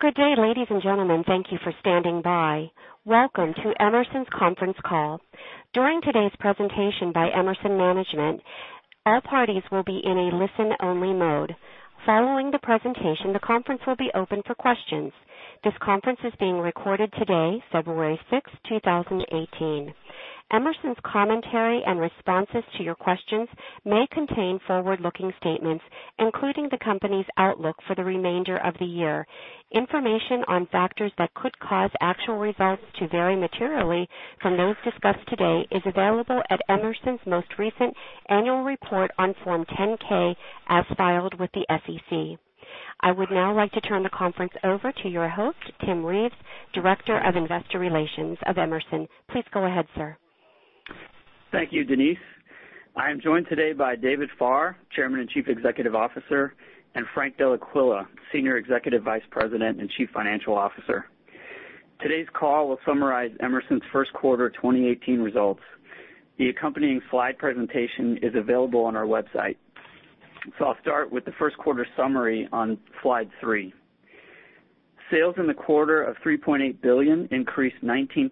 Good day, ladies and gentlemen. Thank you for standing by. Welcome to Emerson's conference call. During today's presentation by Emerson management, all parties will be in a listen-only mode. Following the presentation, the conference will be open for questions. This conference is being recorded today, February 6th, 2018. Emerson's commentary and responses to your questions may contain forward-looking statements, including the company's outlook for the remainder of the year. Information on factors that could cause actual results to vary materially from those discussed today is available at Emerson's most recent annual report on Form 10-K as filed with the SEC. I would now like to turn the conference over to your host, Tim Reeves, Director of Investor Relations of Emerson. Please go ahead, sir. Thank you, Denise. I am joined today by David Farr, Chairman and Chief Executive Officer, and Frank Dellaquila, Senior Executive Vice President and Chief Financial Officer. Today's call will summarize Emerson's first quarter 2018 results. The accompanying slide presentation is available on our website. I'll start with the first quarter summary on slide three. Sales in the quarter of $3.8 billion increased 19%,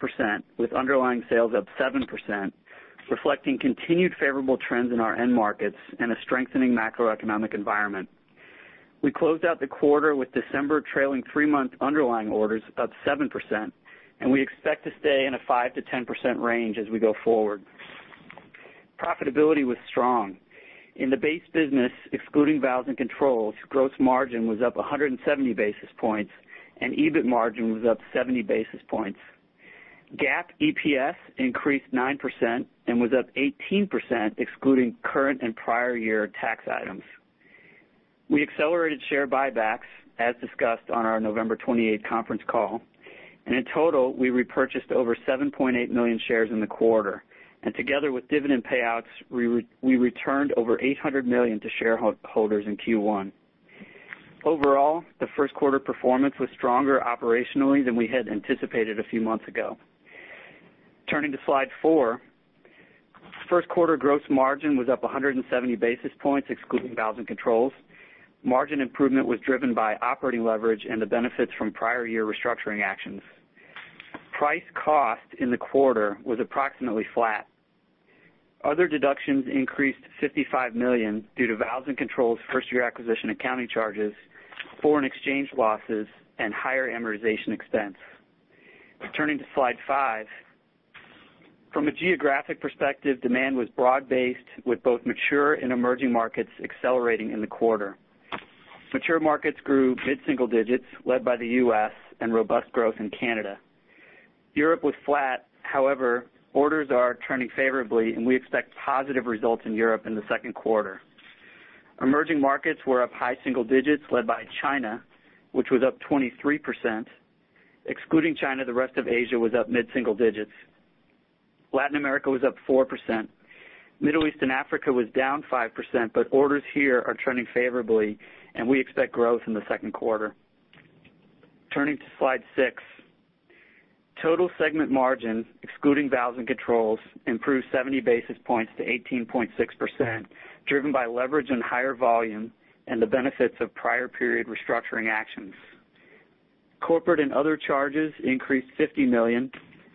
with underlying sales up 7%, reflecting continued favorable trends in our end markets and a strengthening macroeconomic environment. We closed out the quarter with December trailing three-month underlying orders up 7%, and we expect to stay in a 5%-10% range as we go forward. Profitability was strong. In the base business, excluding valves and controls, gross margin was up 170 basis points, and EBIT margin was up 70 basis points. GAAP EPS increased 9% and was up 18% excluding current and prior year tax items. We accelerated share buybacks, as discussed on our November 28th conference call, in total, we repurchased over 7.8 million shares in the quarter. Together with dividend payouts, we returned over $800 million to shareholders in Q1. Overall, the first quarter performance was stronger operationally than we had anticipated a few months ago. Turning to slide four. First quarter gross margin was up 170 basis points excluding valves and controls. Margin improvement was driven by operating leverage and the benefits from prior year restructuring actions. Price cost in the quarter was approximately flat. Other deductions increased to $55 million due to valves and controls first-year acquisition accounting charges, foreign exchange losses, and higher amortization expense. Turning to slide five. From a geographic perspective, demand was broad-based with both mature and emerging markets accelerating in the quarter. Mature markets grew mid-single digits, led by the U.S. and robust growth in Canada. Europe was flat. However, orders are turning favorably, and we expect positive results in Europe in the second quarter. Emerging markets were up high single digits, led by China, which was up 23%. Excluding China, the rest of Asia was up mid-single digits. Latin America was up 4%. Middle East and Africa was down 5%, orders here are trending favorably, and we expect growth in the second quarter. Turning to slide six. Total segment margins, excluding valves and controls, improved 70 basis points to 18.6%, driven by leverage and higher volume and the benefits of prior period restructuring actions. Corporate and other charges increased $50 million,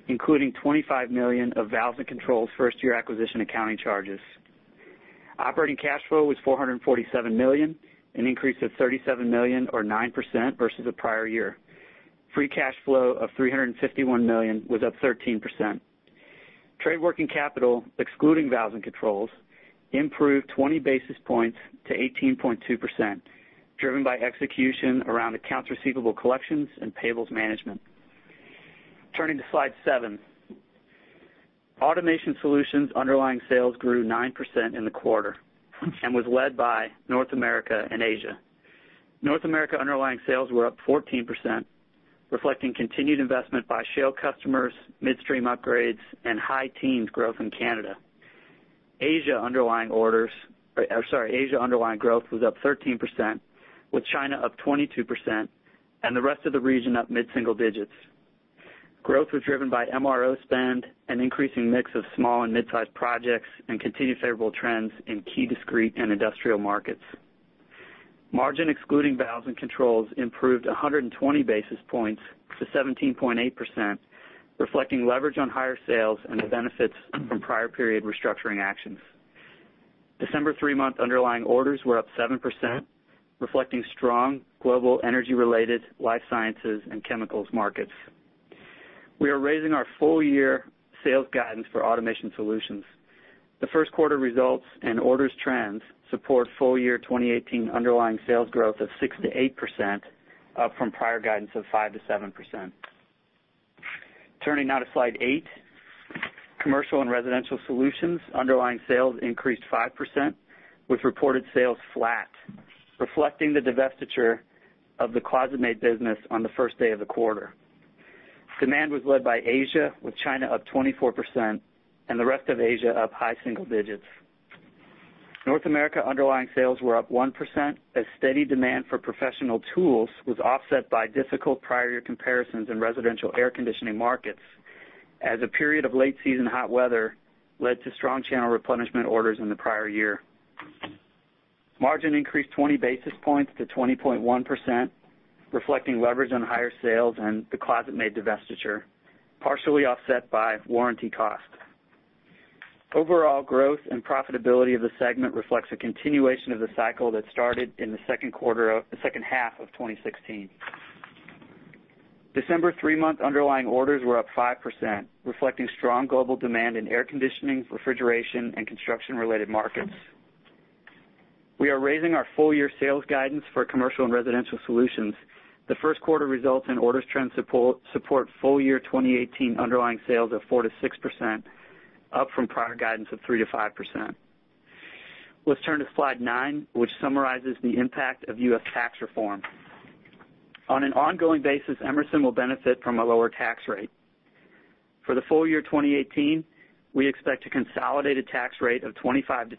including $25 million of valves and controls first-year acquisition accounting charges. Operating cash flow was $447 million, an increase of $37 million or 9% versus the prior year. Free cash flow of $351 million was up 13%. Trade working capital, excluding valves and controls, improved 20 basis points to 18.2%, driven by execution around accounts receivable collections and payables management. Turning to slide seven. Automation Solutions underlying sales grew 9% in the quarter and was led by North America and Asia. North America underlying sales were up 14%, reflecting continued investment by shale customers, midstream upgrades, and high teens growth in Canada. Asia underlying growth was up 13%, with China up 22% and the rest of the region up mid-single digits. Growth was driven by MRO spend and increasing mix of small and mid-size projects and continued favorable trends in key discrete and industrial markets. Margin excluding valves and controls improved 120 basis points to 17.8%, reflecting leverage on higher sales and the benefits from prior period restructuring actions. December three-month underlying orders were up 7%, reflecting strong global energy-related life sciences and chemicals markets. We are raising our full year sales guidance for Automation Solutions. The first quarter results and orders trends support full year 2018 underlying sales growth of 6%-8%, up from prior guidance of 5%-7%. Turning now to slide eight. Commercial and Residential Solutions underlying sales increased 5%, with reported sales flat, reflecting the divestiture of the ClosetMaid business on the first day of the quarter. Demand was led by Asia, with China up 24% and the rest of Asia up high single digits. North America underlying sales were up 1% as steady demand for professional tools was offset by difficult prior year comparisons in residential air conditioning markets, as a period of late season hot weather led to strong channel replenishment orders in the prior year. Margin increased 20 basis points to 20.1%, reflecting leverage on higher sales and the ClosetMaid divestiture, partially offset by warranty costs. Overall growth and profitability of the segment reflects a continuation of the cycle that started in the second half of 2016. December three-month underlying orders were up 5%, reflecting strong global demand in air conditioning, refrigeration, and construction-related markets. We are raising our full-year sales guidance for Commercial and Residential Solutions. The first quarter results and orders trends support full-year 2018 underlying sales of 4%-6%, up from prior guidance of 3%-5%. Let's turn to slide nine, which summarizes the impact of U.S. tax reform. On an ongoing basis, Emerson will benefit from a lower tax rate. For the full year 2018, we expect a consolidated tax rate of 25%-27%,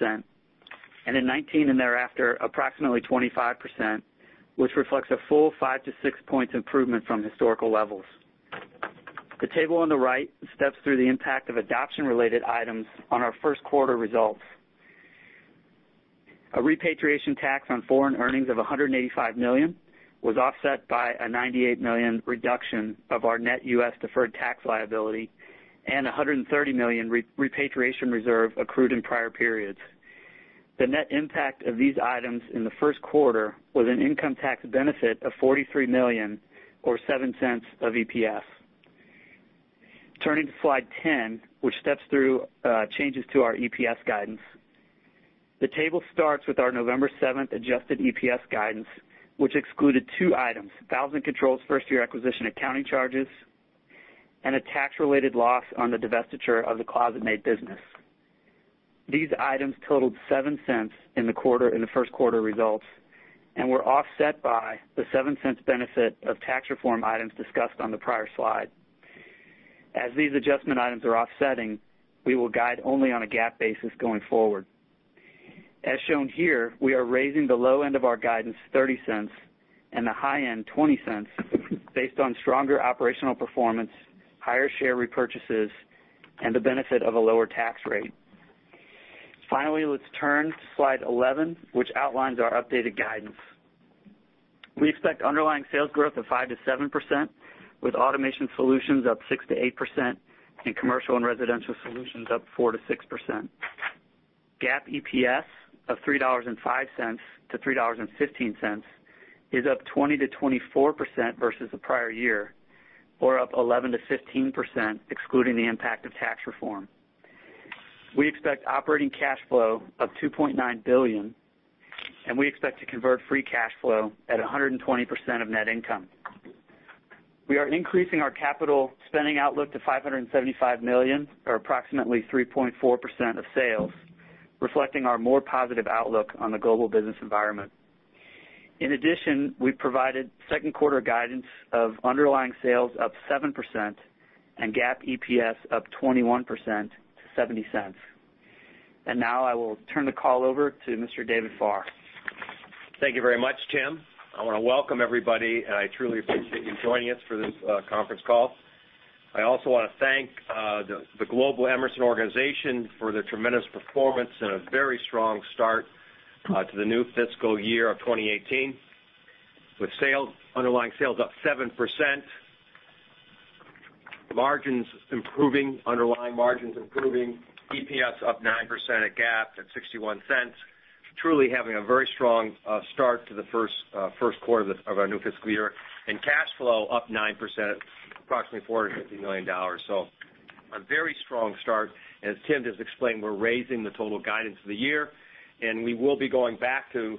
and in 2019 and thereafter, approximately 25%, which reflects a full five to six points improvement from historical levels. The table on the right steps through the impact of adoption-related items on our first quarter results. A repatriation tax on foreign earnings of $185 million was offset by a $98 million reduction of our net U.S. deferred tax liability and $130 million repatriation reserve accrued in prior periods. The net impact of these items in the first quarter was an income tax benefit of $43 million or $0.07 of EPS. Turning to slide 10, which steps through changes to our EPS guidance. The table starts with our November 7th adjusted EPS guidance, which excluded two items, valves and controls first-year acquisition accounting charges, and a tax-related loss on the divestiture of the ClosetMaid business. These items totaled $0.07 in the first quarter results and were offset by the $0.07 benefit of tax reform items discussed on the prior slide. As these adjustment items are offsetting, we will guide only on a GAAP basis going forward. As shown here, we are raising the low end of our guidance $0.30 and the high end $0.20 based on stronger operational performance, higher share repurchases, and the benefit of a lower tax rate. Finally, let's turn to slide 11, which outlines our updated guidance. We expect underlying sales growth of 5%-7%, with Automation Solutions up 6%-8% and Commercial and Residential Solutions up 4%-6%. GAAP EPS of $3.05-$3.15 is up 20%-24% versus the prior year or up 11%-15% excluding the impact of tax reform. We expect operating cash flow of $2.9 billion, and we expect to convert free cash flow at 120% of net income. We are increasing our capital spending outlook to $575 million or approximately 3.4% of sales, reflecting our more positive outlook on the global business environment. In addition, we provided second quarter guidance of underlying sales up 7% and GAAP EPS up 21% to $0.70. Now I will turn the call over to Mr. David Farr. Thank you very much, Tim. I want to welcome everybody, and I truly appreciate you joining us for this conference call. I also want to thank the global Emerson organization for their tremendous performance and a very strong start to the new fiscal year of 2018. With underlying sales up 7%, margins improving, underlying margins improving, EPS up 9% at GAAP at $0.61, truly having a very strong start to the first quarter of our new fiscal year, and cash flow up 9% at approximately $450 million. So a very strong start. As Tim just explained, we're raising the total guidance of the year, and we will be going back to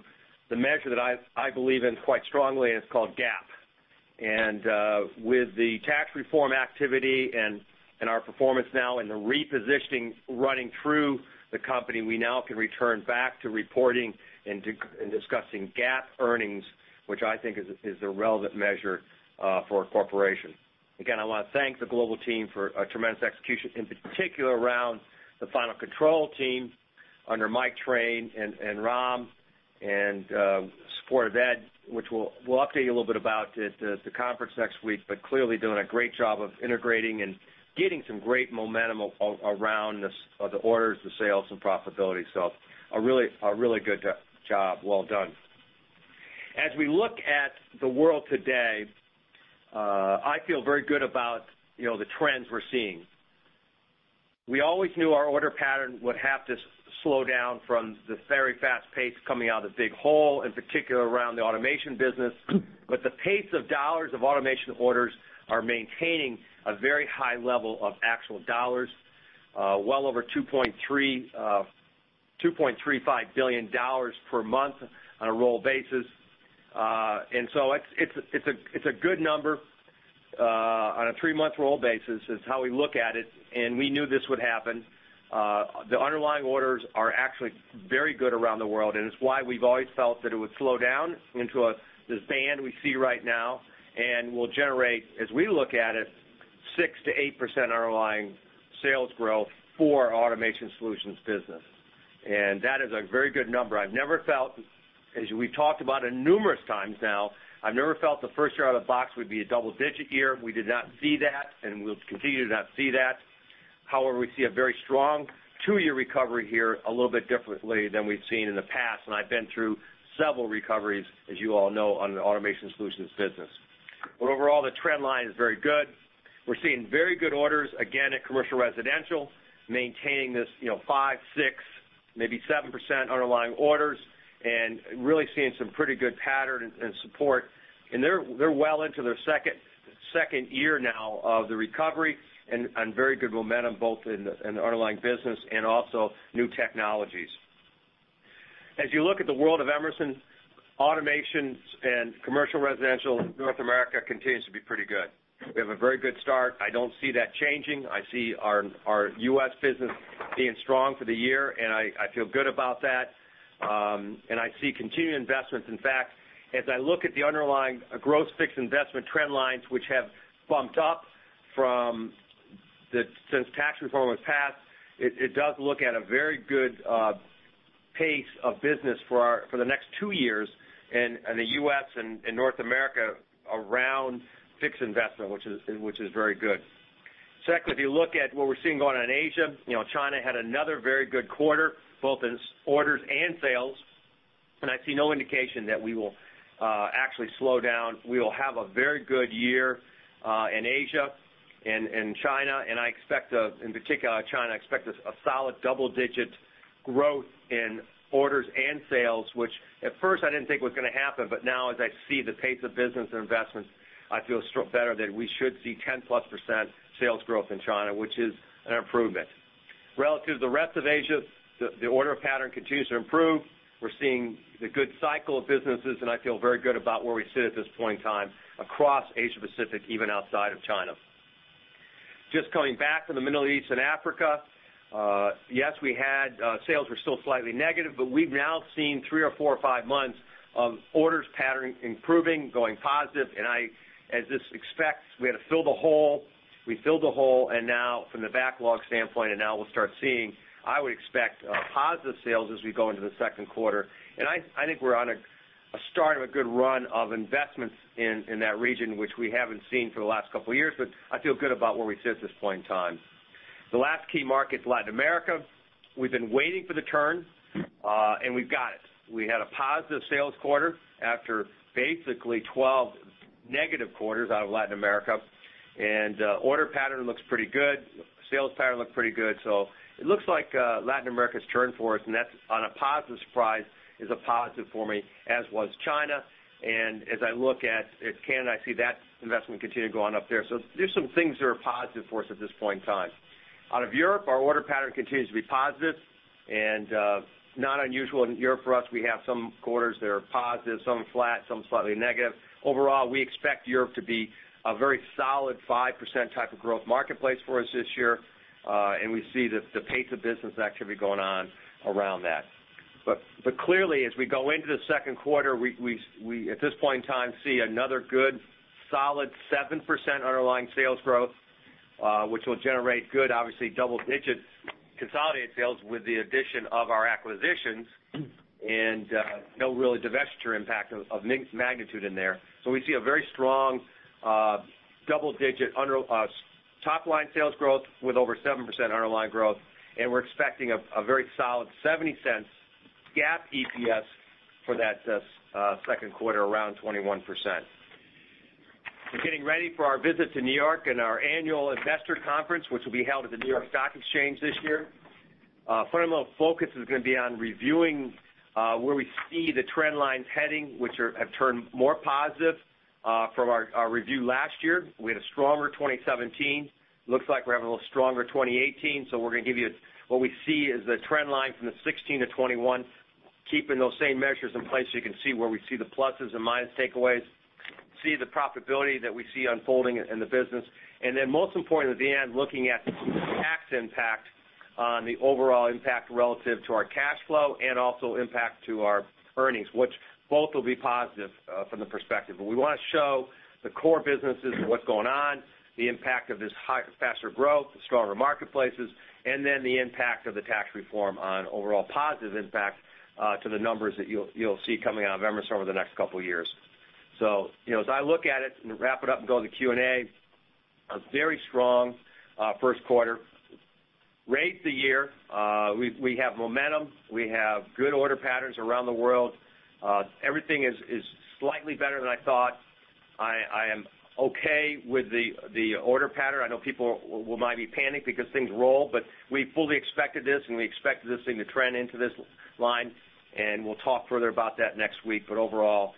the measure that I believe in quite strongly, and it's called GAAP. With the tax reform activity and our performance now and the repositioning running through the company, we now can return back to reporting and discussing GAAP earnings, which I think is a relevant measure for a corporation. Again, I want to thank the global team for a tremendous execution, in particular, around the Final Control team under Mike Train and Ram, and support of Ed, which we'll update you a little bit about at the conference next week, but clearly doing a great job of integrating and getting some great momentum around the orders, the sales, and profitability. So a really good job. Well done. As we look at the world today, I feel very good about the trends we're seeing. We always knew our order pattern would have to slow down from the very fast pace coming out of the big hole, in particular, around the Automation business. The pace of dollars of automation orders are maintaining a very high level of actual dollars, well over $2.35 billion per month on a roll basis. It's a good number on a three-month roll basis is how we look at it, and we knew this would happen. The underlying orders are actually very good around the world, and it's why we've always felt that it would slow down into this band we see right now and will generate, as we look at it, 6%-8% underlying sales growth for our Automation Solutions business. That is a very good number. As we've talked about it numerous times now, I've never felt the first year out of the box would be a double-digit year. We did not see that, and we'll continue to not see that. However, we see a very strong two-year recovery here, a little bit differently than we've seen in the past, and I've been through several recoveries, as you all know, on the Automation Solutions business. Overall, the trend line is very good. We're seeing very good orders, again, at Commercial Residential, maintaining this 5%, 6%, maybe 7% underlying orders, and really seeing some pretty good pattern and support. They're well into their second year now of the recovery and on very good momentum both in the underlying business and also new technologies. As you look at the world of Emerson, Automation Solutions and Commercial Residential in North America continues to be pretty good. We have a very good start. I don't see that changing. I see our U.S. business being strong for the year, and I feel good about that. I see continued investments. In fact, as I look at the underlying growth fixed investment trend lines, which have bumped up from since tax reform was passed, it does look at a very good pace of business for the next two years in the U.S. and North America around fixed investment, which is very good. Second, if you look at what we're seeing going on in Asia, China had another very good quarter, both in orders and sales. I see no indication that we will actually slow down. We will have a very good year, in Asia and China, and I expect, in particular China, I expect a solid double-digit growth in orders and sales, which at first I didn't think was going to happen, but now as I see the pace of business and investments, I feel better that we should see 10-plus% sales growth in China, which is an improvement. Relative to the rest of Asia, the order pattern continues to improve. We're seeing the good cycle of businesses, and I feel very good about where we sit at this point in time across Asia Pacific, even outside of China. Just coming back from the Middle East and Africa. Yes, sales were still slightly negative, but we've now seen three or four or five months of orders pattern improving, going positive. As this expects, we had to fill the hole. We filled the hole, and now from the backlog standpoint, we'll start seeing, I would expect, positive sales as we go into the second quarter. I think we're on a start of a good run of investments in that region, which we haven't seen for the last couple of years, but I feel good about where we sit at this point in time. The last key market is Latin America. We've been waiting for the turn, and we've got it. We had a positive sales quarter after basically 12 negative quarters out of Latin America, and order pattern looks pretty good. Sales pattern look pretty good. It looks like Latin America's turned for us, and that's on a positive surprise, is a positive for me, as was China. As I look at Canada, I see that investment continue going up there. There's some things that are positive for us at this point in time. Out of Europe, our order pattern continues to be positive. Not unusual in Europe for us, we have some quarters that are positive, some flat, some slightly negative. Overall, we expect Europe to be a very solid 5% type of growth marketplace for us this year. We see the pace of business activity going on around that. Clearly, as we go into the second quarter, we at this point in time see another good solid 7% underlying sales growth, which will generate good, obviously double digits consolidated sales with the addition of our acquisitions, and no really divestiture impact of magnitude in there. We see a very strong double-digit top-line sales growth with over 7% underlying growth. We're expecting a very solid $0.70 GAAP EPS for that second quarter, around 21%. We're getting ready for our visit to New York and our annual investor conference, which will be held at the New York Stock Exchange this year. Fundamental focus is going to be on reviewing where we see the trend lines heading, which have turned more positive from our review last year. We had a stronger 2017. Looks like we're having a little stronger 2018. We're going to give you what we see is the trend line from the 2016 to 2021, keeping those same measures in place so you can see where we see the pluses and minus takeaways. See the profitability that we see unfolding in the business. Then most important at the end, looking at the tax impact on the overall impact relative to our cash flow and also impact to our earnings, which both will be positive from the perspective. We want to show the core businesses, what's going on, the impact of this faster growth, the stronger marketplaces, and then the impact of the tax reform on overall positive impact to the numbers that you'll see coming out of Emerson over the next couple of years. As I look at it and wrap it up and go to the Q&A, a very strong first quarter. Raise the year. We have momentum. We have good order patterns around the world. Everything is slightly better than I thought. I am okay with the order pattern. I know people might be panicked because things roll, but we fully expected this, and we expected this thing to trend into this line, and we'll talk further about that next week. Overall,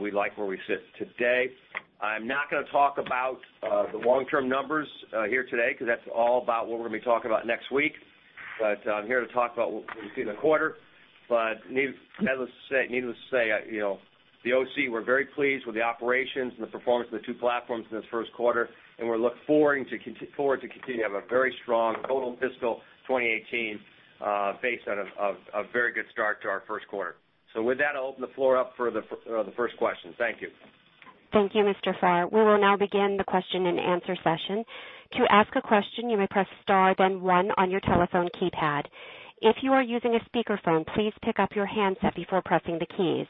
we like where we sit today. I'm not going to talk about the long-term numbers here today because that's all about what we're going to be talking about next week. I'm here to talk about what we see in the quarter. Needless to say, the OCE, we're very pleased with the operations and the performance of the two platforms in this first quarter, and we look forward to continue to have a very strong total fiscal 2018 based on a very good start to our first quarter. With that, I'll open the floor up for the first question. Thank you. Thank you, Mr. Farr. We will now begin the question and answer session. To ask a question, you may press star then one on your telephone keypad. If you are using a speakerphone, please pick up your handset before pressing the keys.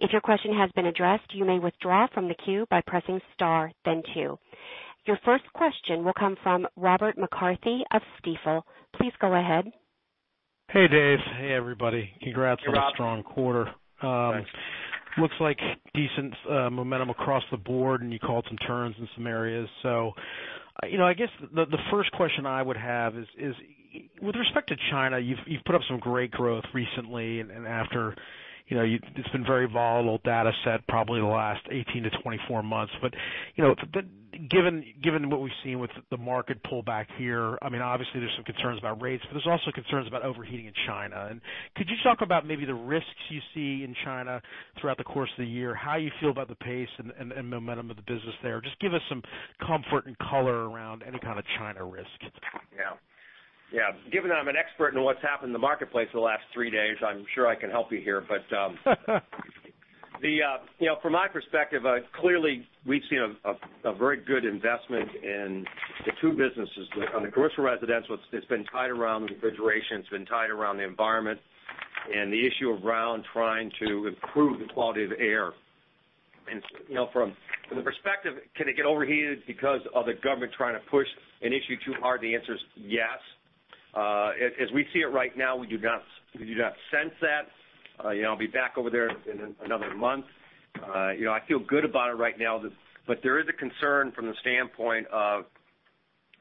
If your question has been addressed, you may withdraw from the queue by pressing star, then two. Your first question will come from Robert McCarthy of Stifel. Please go ahead. Hey, Dave. Hey, everybody. Congrats on a strong quarter. Hey, Rob. Thanks. Looks like decent momentum across the board, you called some turns in some areas. I guess the first question I would have is, with respect to China, you've put up some great growth recently and after it's been very volatile data set probably the last 18 to 24 months. Given what we've seen with the market pullback here, obviously there's some concerns about rates, but there's also concerns about overheating in China. Could you talk about maybe the risks you see in China throughout the course of the year, how you feel about the pace and momentum of the business there? Just give us some comfort and color around any kind of China risk. Yeah. Given that I'm an expert in what's happened in the marketplace for the last three days, I'm sure I can help you here. From my perspective, clearly we've seen a very good investment in the two businesses. On the Commercial Residential, it's been tied around the refrigeration, it's been tied around the environment, the issue around trying to improve the quality of the air. From the perspective, can it get overheated because of the government trying to push an issue too hard? The answer is yes. As we see it right now, we do not sense that. I'll be back over there in another month. I feel good about it right now. There is a concern from the standpoint of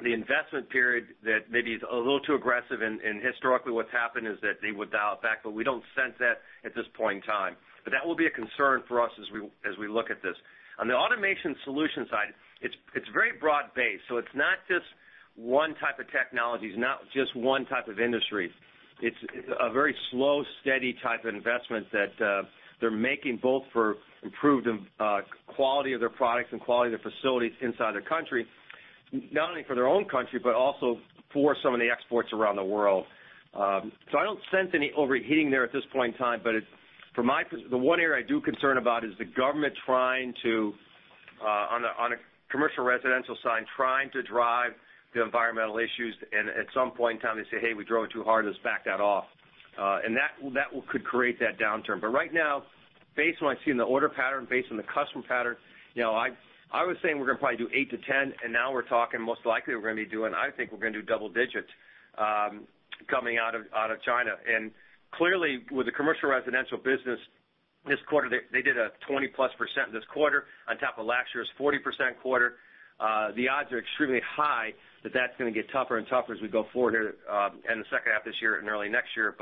the investment period that maybe is a little too aggressive, and historically what's happened is that they would dial it back, but we don't sense that at this point in time. That will be a concern for us as we look at this. On the Automation Solutions side, it's very broad based. It's not just 1 type of technology. It's not just 1 type of industry. It's a very slow, steady type of investment that they're making both for improved quality of their products and quality of their facilities inside their country, not only for their own country, but also for some of the exports around the world. I don't sense any overheating there at this point in time, but the one area I do concern about is the government, on a Commercial Residential side, trying to drive the environmental issues, at some point in time, they say, "Hey, we drove it too hard. Let's back that off." That could create that downturn. Right now, based on what I've seen in the order pattern, based on the customer pattern, I was saying we're going to probably do 8 to 10, and now we're talking most likely we're going to be doing, I think we're going to do double digits coming out of China. Clearly, with the Commercial Residential business this quarter, they did a 20-plus % this quarter on top of last year's 40% quarter. The odds are extremely high that that's going to get tougher and tougher as we go forward here in the second half of this year and early next year.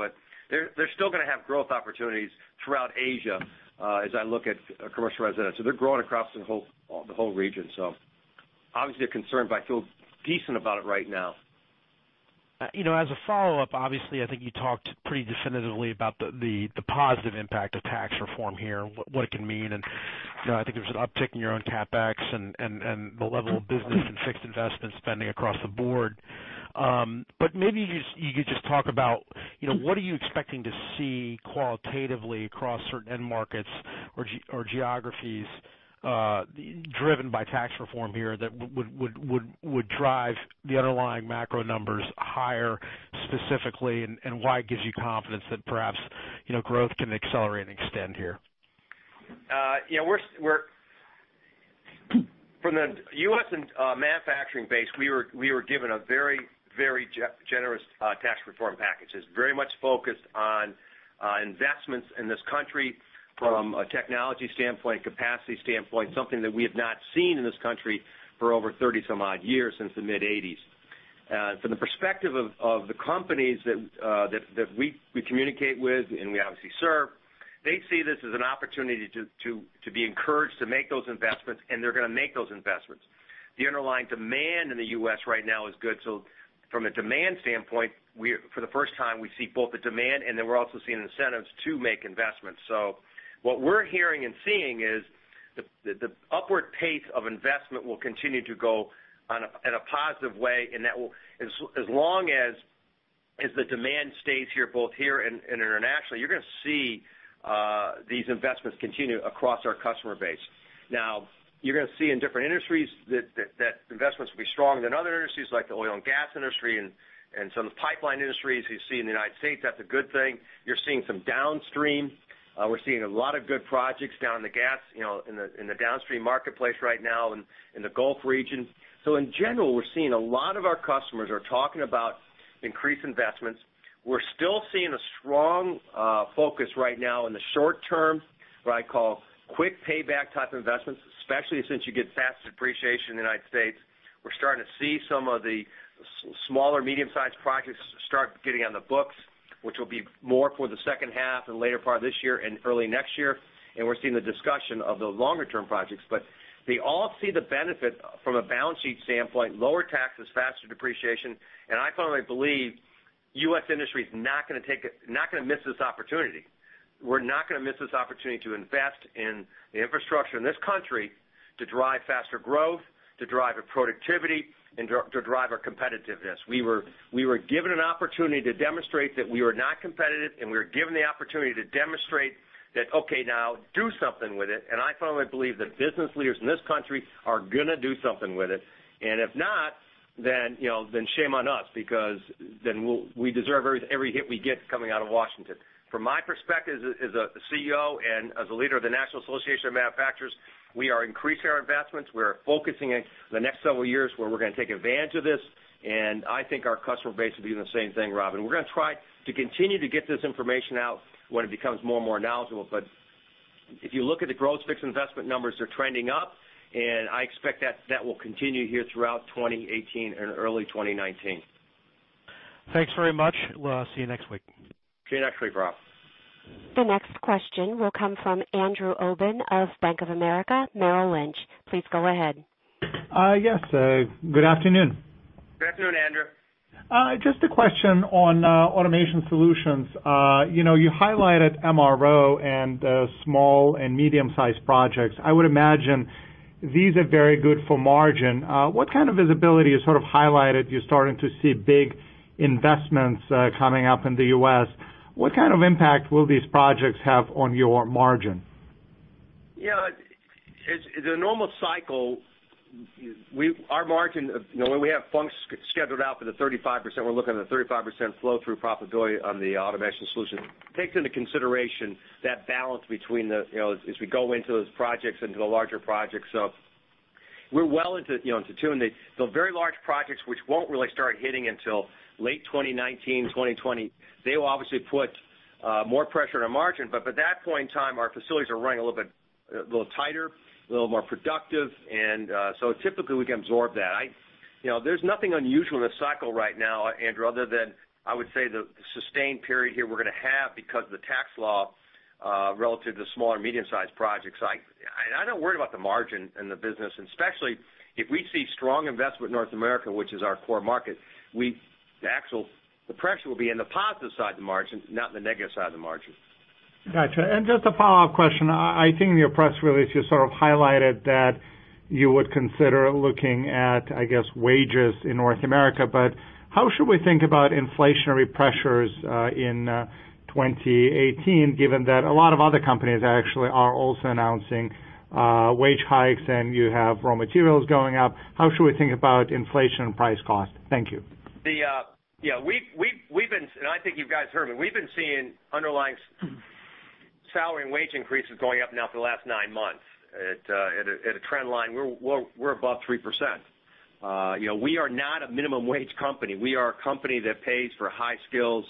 They're still going to have growth opportunities throughout Asia as I look at Commercial Residential. They're growing across the whole region. Obviously a concern, but I feel decent about it right now. As a follow-up, obviously, I think you talked pretty definitively about the positive impact of tax reform here, what it can mean, and I think there's an uptick in your own CapEx and the level of business and fixed investment spending across the board. Maybe you could just talk about what are you expecting to see qualitatively across certain end markets or geographies driven by tax reform here that would drive the underlying macro numbers higher specifically, and why it gives you confidence that perhaps growth can accelerate and extend here? From the U.S. and manufacturing base, we were given a very generous tax reform package that's very much focused on investments in this country from a technology standpoint, capacity standpoint, something that we have not seen in this country for over 30 some odd years since the mid-'80s. From the perspective of the companies that we communicate with and we obviously serve, they see this as an opportunity to be encouraged to make those investments, and they're going to make those investments. The underlying demand in the U.S. right now is good. From a demand standpoint, for the first time, we see both the demand, and then we're also seeing incentives to make investments. What we're hearing and seeing is the upward pace of investment will continue to go in a positive way, and as long as the demand stays both here and internationally, you're going to see these investments continue across our customer base. Now, you're going to see in different industries that investments will be stronger than other industries like the oil and gas industry and some of the pipeline industries you see in the United States. That's a good thing. You're seeing some downstream. We're seeing a lot of good projects down in the downstream marketplace right now in the Gulf region. In general, we're seeing a lot of our customers are talking about increased investments. We're still seeing a strong focus right now in the short term, what I call quick payback type investments, especially since you get faster depreciation in the United States. We're starting to see some of the small or medium-sized projects start getting on the books, which will be more for the second half and later part of this year and early next year. We're seeing the discussion of the longer-term projects. They all see the benefit from a balance sheet standpoint, lower taxes, faster depreciation. I firmly believe U.S. industry is not going to miss this opportunity. We're not going to miss this opportunity to invest in the infrastructure in this country to drive faster growth, to drive our productivity, and to drive our competitiveness. We were given an opportunity to demonstrate that we were not competitive, and we were given the opportunity to demonstrate that, okay, now do something with it. I firmly believe that business leaders in this country are going to do something with it. If not, then shame on us, because then we deserve every hit we get coming out of Washington. From my perspective as a CEO and as a leader of the National Association of Manufacturers, we are increasing our investments. We are focusing the next several years where we're going to take advantage of this, and I think our customer base will be doing the same thing, Rob. We're going to try to continue to get this information out when it becomes more and more knowledgeable. If you look at the gross fixed investment numbers, they're trending up, and I expect that will continue here throughout 2018 and early 2019. Thanks very much. We'll see you next week. See you next week, Rob. The next question will come from Andrew Obin of Bank of America Merrill Lynch. Please go ahead. Yes. Good afternoon. Good afternoon, Andrew. Just a question on Automation Solutions. You highlighted MRO and small and medium-sized projects. I would imagine these are very good for margin. What kind of visibility is highlighted? You're starting to see big investments coming up in the U.S. What kind of impact will these projects have on your margin? Yeah. The normal cycle, our margin, when we have functions scheduled out for the 35%, we're looking at a 35% flow through profitability on the Automation Solutions. Takes into consideration that balance between as we go into those projects, into the larger projects. We're well into tune. The very large projects, which won't really start hitting until late 2019, 2020, they will obviously put more pressure on our margin. By that point in time, our facilities are running a little tighter, a little more productive. Typically, we can absorb that. There's nothing unusual in the cycle right now, Andrew, other than I would say, the sustained period here we're going to have because of the tax law, relative to small or medium-sized projects. I don't worry about the margin in the business, especially if we see strong investment North America, which is our core market. The pressure will be in the positive side of the margin, not in the negative side of the margin. Got you. Just a follow-up question. I think in your press release, you sort of highlighted that you would consider looking at, I guess, wages in North America. How should we think about inflationary pressures in 2018, given that a lot of other companies actually are also announcing wage hikes, and you have raw materials going up. How should we think about inflation and price cost? Thank you. Yeah. I think you guys heard me. We've been seeing underlying salary and wage increases going up now for the last nine months at a trend line. We're above 3%. We are not a minimum wage company. We are a company that pays for high skills,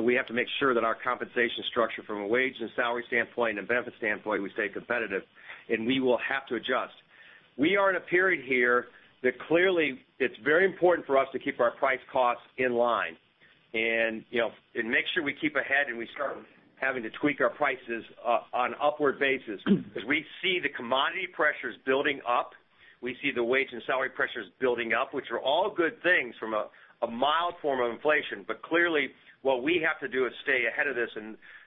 we have to make sure that our compensation structure from a wage and salary standpoint and a benefit standpoint, we stay competitive, we will have to adjust. We are in a period here that clearly, it's very important for us to keep our price costs in line, make sure we keep ahead and we start having to tweak our prices on upward basis. We see the commodity pressures building up. We see the wage and salary pressures building up, which are all good things from a mild form of inflation. Clearly, what we have to do is stay ahead of this.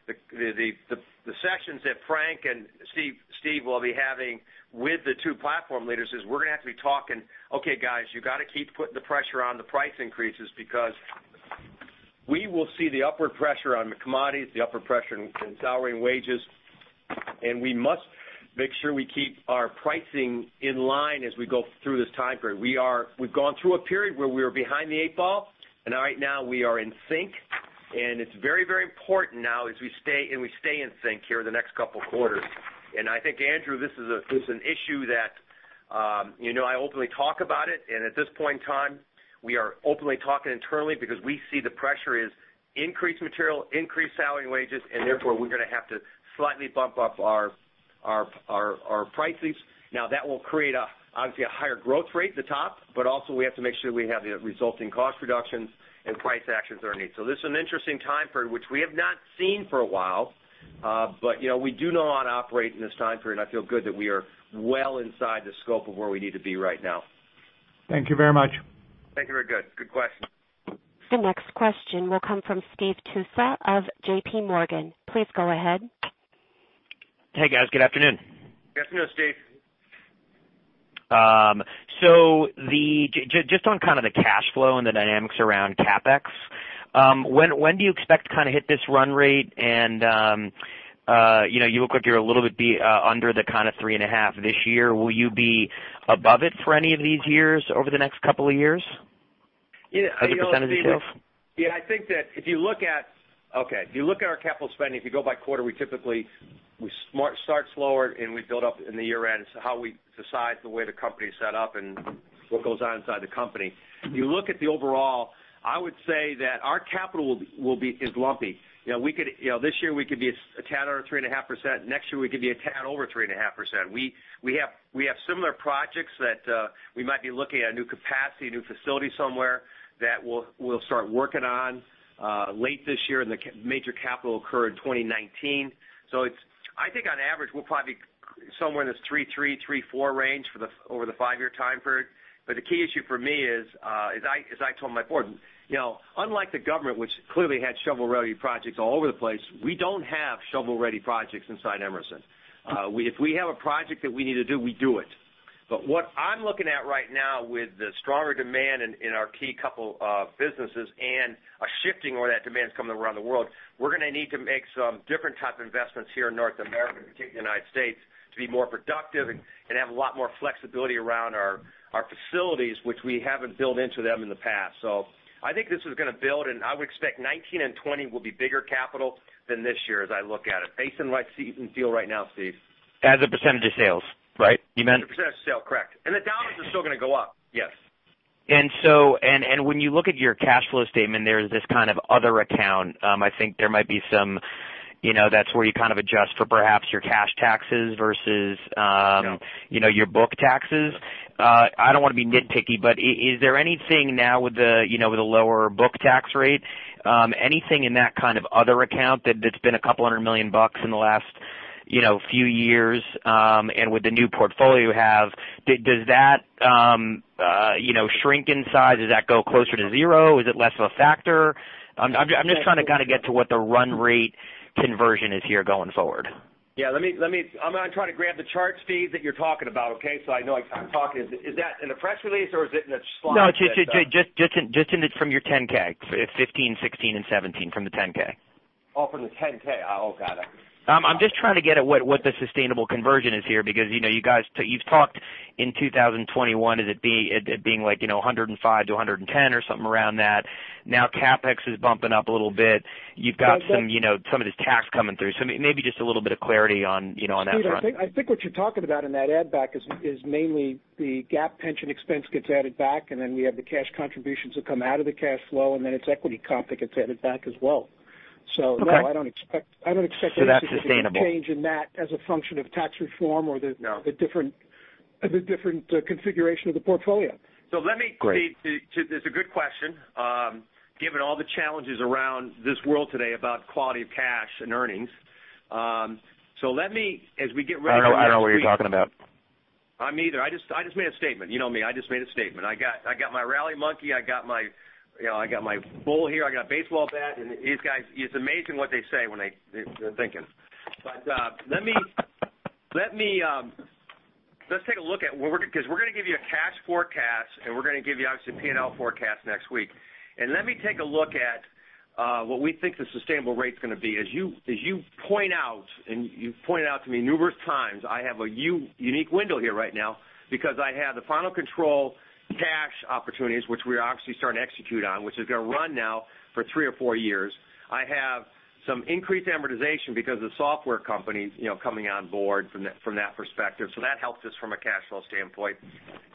The sessions that Frank and Steve will be having with the two platform leaders is we're going to have to be talking, "Okay, guys, you got to keep putting the pressure on the price increases," because we will see the upward pressure on commodities, the upward pressure in salary and wages, and we must make sure we keep our pricing in line as we go through this time frame. We've gone through a period where we were behind the eight ball, and right now we are in sync. It's very, very important now as we stay in sync here the next couple of quarters. I think, Andrew, this is an issue that I openly talk about it. At this point in time, we are openly talking internally because we see the pressure is increased material, increased salary and wages, and therefore we're going to have to slightly bump up our prices. That will create obviously a higher growth rate at the top, but also we have to make sure we have the resulting cost reductions and price actions that are needed. This is an interesting time frame, which we have not seen for a while. We do know how to operate in this time frame, and I feel good that we are well inside the scope of where we need to be right now. Thank you very much. Thank you. Very good. Good question. The next question will come from Steve Tusa of JPMorgan. Please go ahead. Hey, guys. Good afternoon. Good afternoon, Steve. Just on kind of the cash flow and the dynamics around CapEx, when do you expect to kind of hit this run rate? And you look like you're a little bit under the kind of 3.5 this year. Will you be above it for any of these years over the next couple of years as a percentage of sales? Yeah, I think that if you look at our capital spending, if you go by quarter, we typically start slower, and we build up in the year end. It's how we decide the way the company is set up and what goes on inside the company. If you look at the overall, I would say that our capital is lumpy. This year we could be a tad under 3.5%. Next year, we could be a tad over 3.5%. We have similar projects that we might be looking at a new capacity, a new facility somewhere that we'll start working on late this year, and the major capital will occur in 2019. I think on average, we'll probably be somewhere in this 3.3%-3.4% range over the five-year time period. The key issue for me is, as I told my board, unlike the government, which clearly had shovel-ready projects all over the place, we don't have shovel-ready projects inside Emerson. If we have a project that we need to do, we do it. What I'm looking at right now with the stronger demand in our key couple of businesses and a shifting where that demand is coming around the world, we're going to need to make some different type of investments here in North America, particularly the U.S., to be more productive and have a lot more flexibility around our facilities, which we haven't built into them in the past. I think this is going to build, and I would expect 2019 and 2020 will be bigger capital than this year as I look at it, based on what I see and feel right now, Steve. As a % of sales, right? As a % of sale, correct. The dollars are still going to go up. Yes. When you look at your cash flow statement, there's this kind of other account. I think there might be some, that's where you kind of adjust for perhaps your cash taxes. Yeah your book taxes. I don't want to be nitpicky, but is there anything now with the lower book tax rate, anything in that kind of other account that's been $200 million in the last few years, and with the new portfolio you have, does that shrink in size? Does that go closer to zero? Is it less of a factor? I'm just trying to kind of get to what the run rate conversion is here going forward. Yeah. I'm going to try to grab the chart, Steve, that you're talking about, okay? I know I'm talking. Is that in the press release, or is it in the slide deck? No, just from your 10-K, 2015, 2016, and 2017 from the 10-K. Oh, from the 10-K. Oh, got it. I'm just trying to get at what the sustainable conversion is here, because you guys, you've talked in 2021, it being like 105% to 110% or something around that. Now CapEx is bumping up a little bit. You've got some of this tax coming through. Maybe just a little bit of clarity on that front. Steve, I think what you're talking about in that add back is mainly the GAAP pension expense gets added back, and then we have the cash contributions that come out of the cash flow, and then it's equity comp that gets added back as well. Okay. No, I don't expect. that's sustainable a change in that as a function of tax reform or the- No the different configuration of the portfolio. Great. It's a good question, given all the challenges around this world today about quality of cash and earnings. let me, as we get ready for next week- I don't know what you're talking about. I'm either. I just made a statement. You know me, I just made a statement. I got my rally monkey. I got my bull here. I got a baseball bat, and these guys, it's amazing what they say when they're thinking. Let's take a look at, because we're going to give you a cash forecast, and we're going to give you, obviously, a P&L forecast next week. Let me take a look at what we think the sustainable rate's going to be. As you point out, and you've pointed out to me numerous times, I have a unique window here right now because I have the Final Control cash opportunities, which we're obviously starting to execute on, which is going to run now for three or four years. I have some increased amortization because of software companies coming on board from that perspective. That helps us from a cash flow standpoint.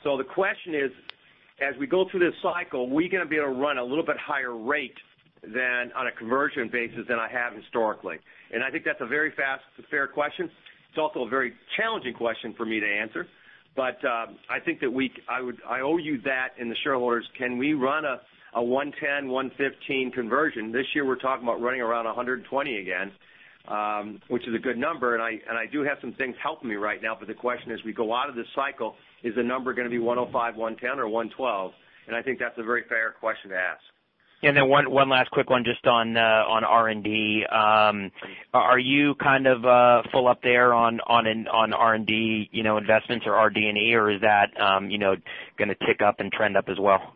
The question is, as we go through this cycle, are we going to be able to run a little bit higher rate than on a conversion basis than I have historically? I think that's a very fair question. It's also a very challenging question for me to answer. I think that I owe you that and the shareholders, can we run a 110, 115 conversion? This year, we're talking about running around 120 again, which is a good number, and I do have some things helping me right now. The question is, we go out of this cycle, is the number going to be 105, 110, or 112? I think that's a very fair question to ask. Then one last quick one just on R&D. Are you kind of full up there on R&D investments or RD&E, or is that going to tick up and trend up as well?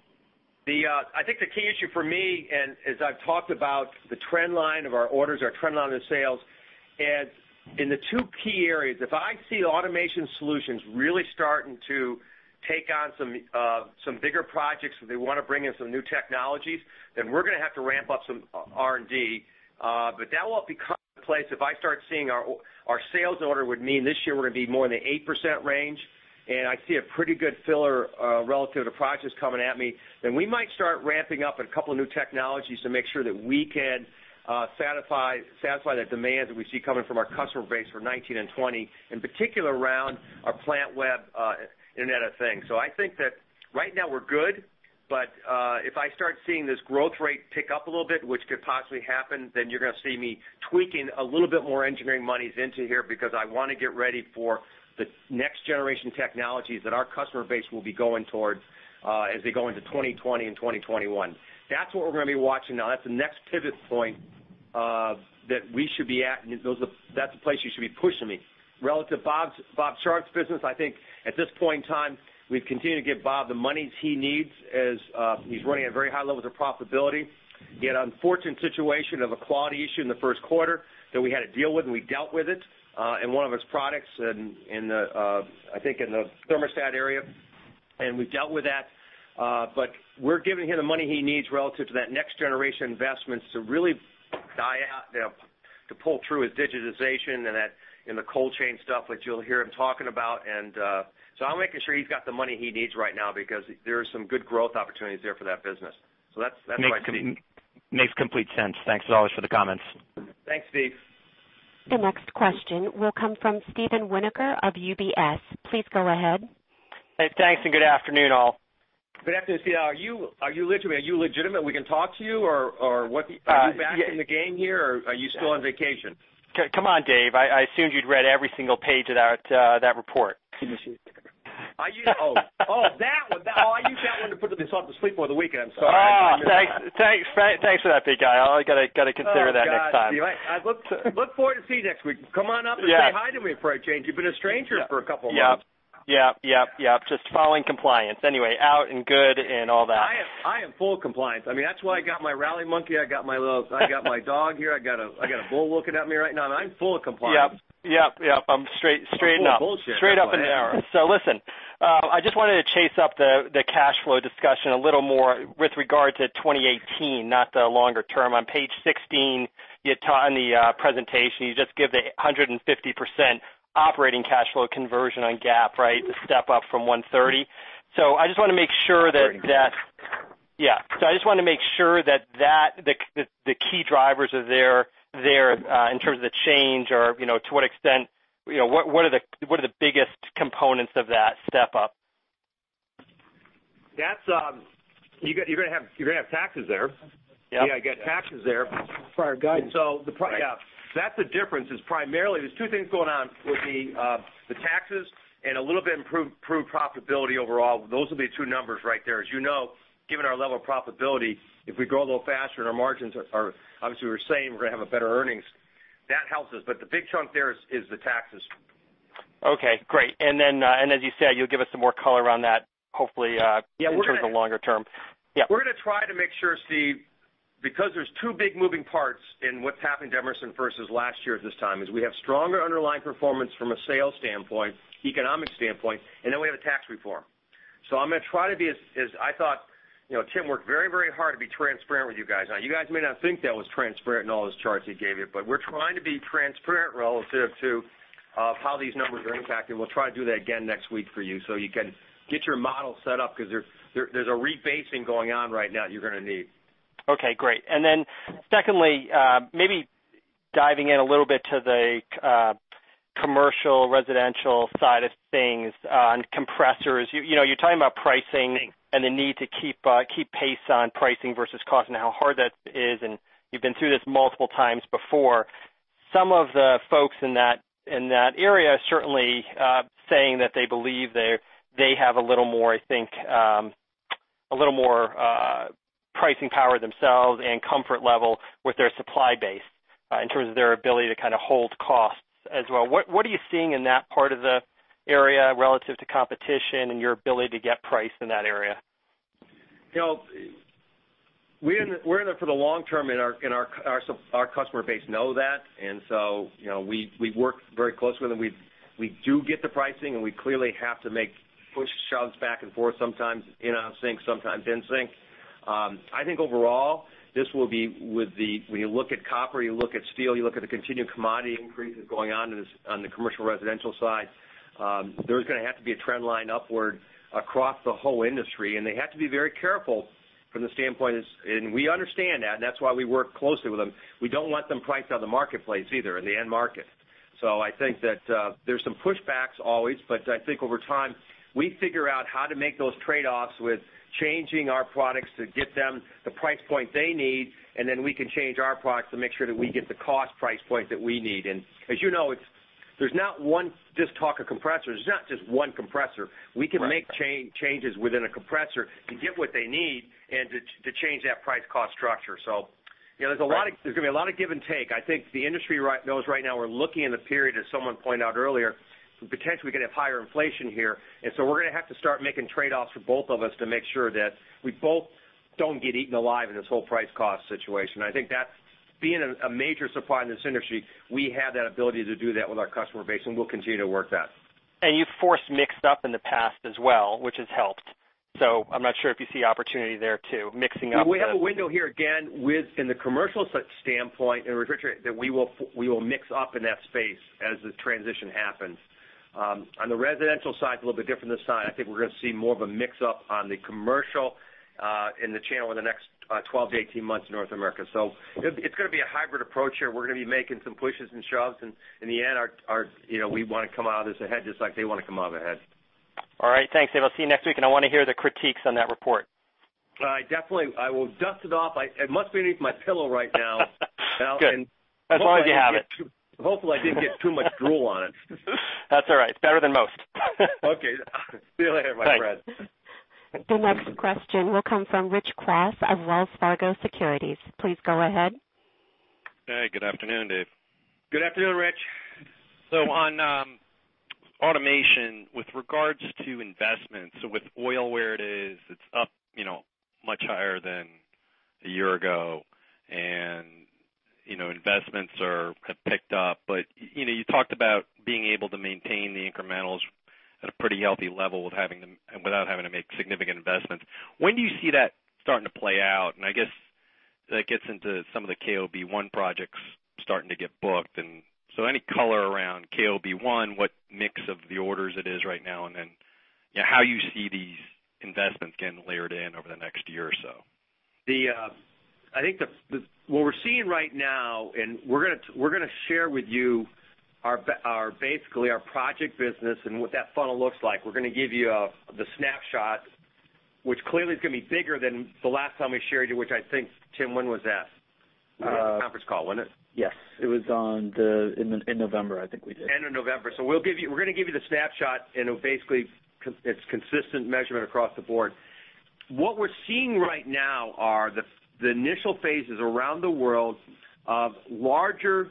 I think the key issue for me, as I've talked about the trend line of our orders, our trend line of the sales, in the two key areas, if I see Automation Solutions really starting to take on some bigger projects where they want to bring in some new technologies, we're going to have to ramp up some R&D. That won't be commonplace if I start seeing our sales order would mean this year we're going to be more in the 8% range, I see a pretty good filler relative to projects coming at me. We might start ramping up a couple of new technologies to make sure that we can satisfy the demands that we see coming from our customer base for 2019 and 2020, in particular around our Plantweb Internet of Things. I think that right now we're good. If I start seeing this growth rate tick up a little bit, which could possibly happen, you're going to see me tweaking a little bit more engineering monies into here because I want to get ready for the next generation technologies that our customer base will be going towards as they go into 2020 and 2021. That's what we're going to be watching now. That's the next pivot point that we should be at, that's the place you should be pushing me. Relative to Bob Sharp's business, I think at this point in time, we've continued to give Bob the monies he needs as he's running at very high levels of profitability. He had an unfortunate situation of a quality issue in the first quarter that we had to deal with, we dealt with it, in one of his products, I think in the thermostat area, we've dealt with that. We're giving him the money he needs relative to that next generation investments to really pull through his digitization and the cold chain stuff, which you'll hear him talking about. I'm making sure he's got the money he needs right now because there are some good growth opportunities there for that business. That's what I see. Makes complete sense. Thanks as always for the comments. Thanks, Steve. The next question will come from Steven Winoker of UBS. Please go ahead. Hey, thanks. Good afternoon, all. Good afternoon, Steve. Are you legitimate? We can talk to you, or are you back in the game here, or are you still on vacation? Come on, Dave. I assumed you'd read every single page of that report. Oh, that one. Oh, I used that one to put myself to sleep over the weekend. I'm sorry. Oh, thanks for that, big guy. I got to consider that next time. Oh, gosh, Steve. I look forward to see you next week. Come on up and say hi to me for a change. You've been a stranger for a couple of months. Yep. Just following compliance. Anyway, out and good and all that. I am full compliance. That's why I got my rally monkey. I got my dog here. I got a bull looking at me right now, and I'm full compliance. Yep. I'm straight up. I'm full bullshit, by the way. Straight up and down. Listen, I just wanted to chase up the cash flow discussion a little more with regard to 2018, not the longer term. On page 16 in the presentation, you just give the 150% operating cash flow conversion on GAAP, right? The step up from 130. I just wanted to make sure that the key drivers are there in terms of the change or to what extent, what are the biggest components of that step up? You're going to have taxes there. Yeah. You're going to get taxes there. For our guidance. That's the difference, is primarily there's two things going on with the taxes and a little bit improved profitability overall. Those will be two numbers right there. As you know, given our level of profitability, if we grow a little faster and our margins are, obviously, we're saying we're going to have a better earnings, that helps us. The big chunk there is the taxes. Okay, great. As you said, you'll give us some more color on that, hopefully. Yeah In terms of longer term. Yeah. We're going to try to make sure, Steve, because there's two big moving parts in what's happened to Emerson versus last year at this time, is we have stronger underlying performance from a sales standpoint, economic standpoint, we have a tax reform. I'm going to try to be as I thought Tim worked very hard to be transparent with you guys. You guys may not think that was transparent in all his charts he gave you, we're trying to be transparent relative to how these numbers are impacted. We'll try to do that again next week for you so you can get your model set up, because there's a rebasing going on right now you're going to need. Okay, great. Secondly, maybe diving in a little bit to the commercial, residential side of things on compressors. You're talking about pricing and the need to keep pace on pricing versus cost and how hard that is, and you've been through this multiple times before. Some of the folks in that area, certainly, saying that they believe they have a little more, I think, pricing power themselves and comfort level with their supply base in terms of their ability to kind of hold costs as well. What are you seeing in that part of the area relative to competition and your ability to get price in that area? We're in it for the long term. Our customer base know that, we've worked very closely with them. We do get the pricing, we clearly have to make push, shoves back and forth, sometimes in sync. I think overall, this will be with the when you look at copper, you look at steel, you look at the continued commodity increases going on in the commercial residential side. They have to be very careful from the standpoint. We understand that, and that's why we work closely with them. We don't let them price out the marketplace either in the end market. I think that there's some pushbacks always. I think over time, we figure out how to make those trade-offs with changing our products to get them the price point they need. We can change our products to make sure that we get the cost price point that we need. As you know, there's not just one compressor. Right. We can make changes within a compressor to get what they need and to change that price-cost structure. There's going to be a lot of give and take. I think the industry knows right now we're looking in the period, as someone pointed out earlier, potentially we could have higher inflation here. We're going to have to start making trade-offs for both of us to make sure that we both don't get eaten alive in this whole price-cost situation. I think that being a major supplier in this industry, we have that ability to do that with our customer base, and we'll continue to work that. You've forced mixed up in the past as well, which has helped. I'm not sure if you see opportunity there too, mixing up- We have a window here again in the commercial standpoint, in refrigerate, that we will mix up in that space as the transition happens. On the residential side, it's a little bit different this time. I think we're going to see more of a mix-up on the commercial in the channel in the next 12 to 18 months in North America. It's going to be a hybrid approach here. We're going to be making some pushes and shoves, and in the end, we want to come out of this ahead just like they want to come out ahead. All right. Thanks, Dave. I'll see you next week, and I want to hear the critiques on that report. I definitely. I will dust it off. It must be underneath my pillow right now. Good. As long as you have it. Hopefully, I didn't get too much drool on it. That's all right. It's better than most. Okay. See you later, my friend. Thanks. The next question will come from Rich Kwas of Wells Fargo Securities. Please go ahead. Hey, good afternoon, Dave. Good afternoon, Rich. On Automation, with regards to investments, with oil where it is, it is up much higher than a year ago, and investments have picked up. You talked about being able to maintain the incrementals at a pretty healthy level without having to make significant investments. When do you see that starting to play out? I guess that gets into some of the KOB-1 projects starting to get booked. Any color around KOB-1, what mix of the orders it is right now, and then how you see these investments getting layered in over the next year or so. I think what we're seeing right now, we're going to share with you basically our project business and what that funnel looks like. We're going to give you the snapshot, which clearly is going to be bigger than the last time we shared you, which I think, Tim, when was that? On a conference call, wasn't it? Yes. It was in November, I think we did. End of November. We're going to give you the snapshot, and basically, it's consistent measurement across the board. What we're seeing right now are the initial phases around the world of larger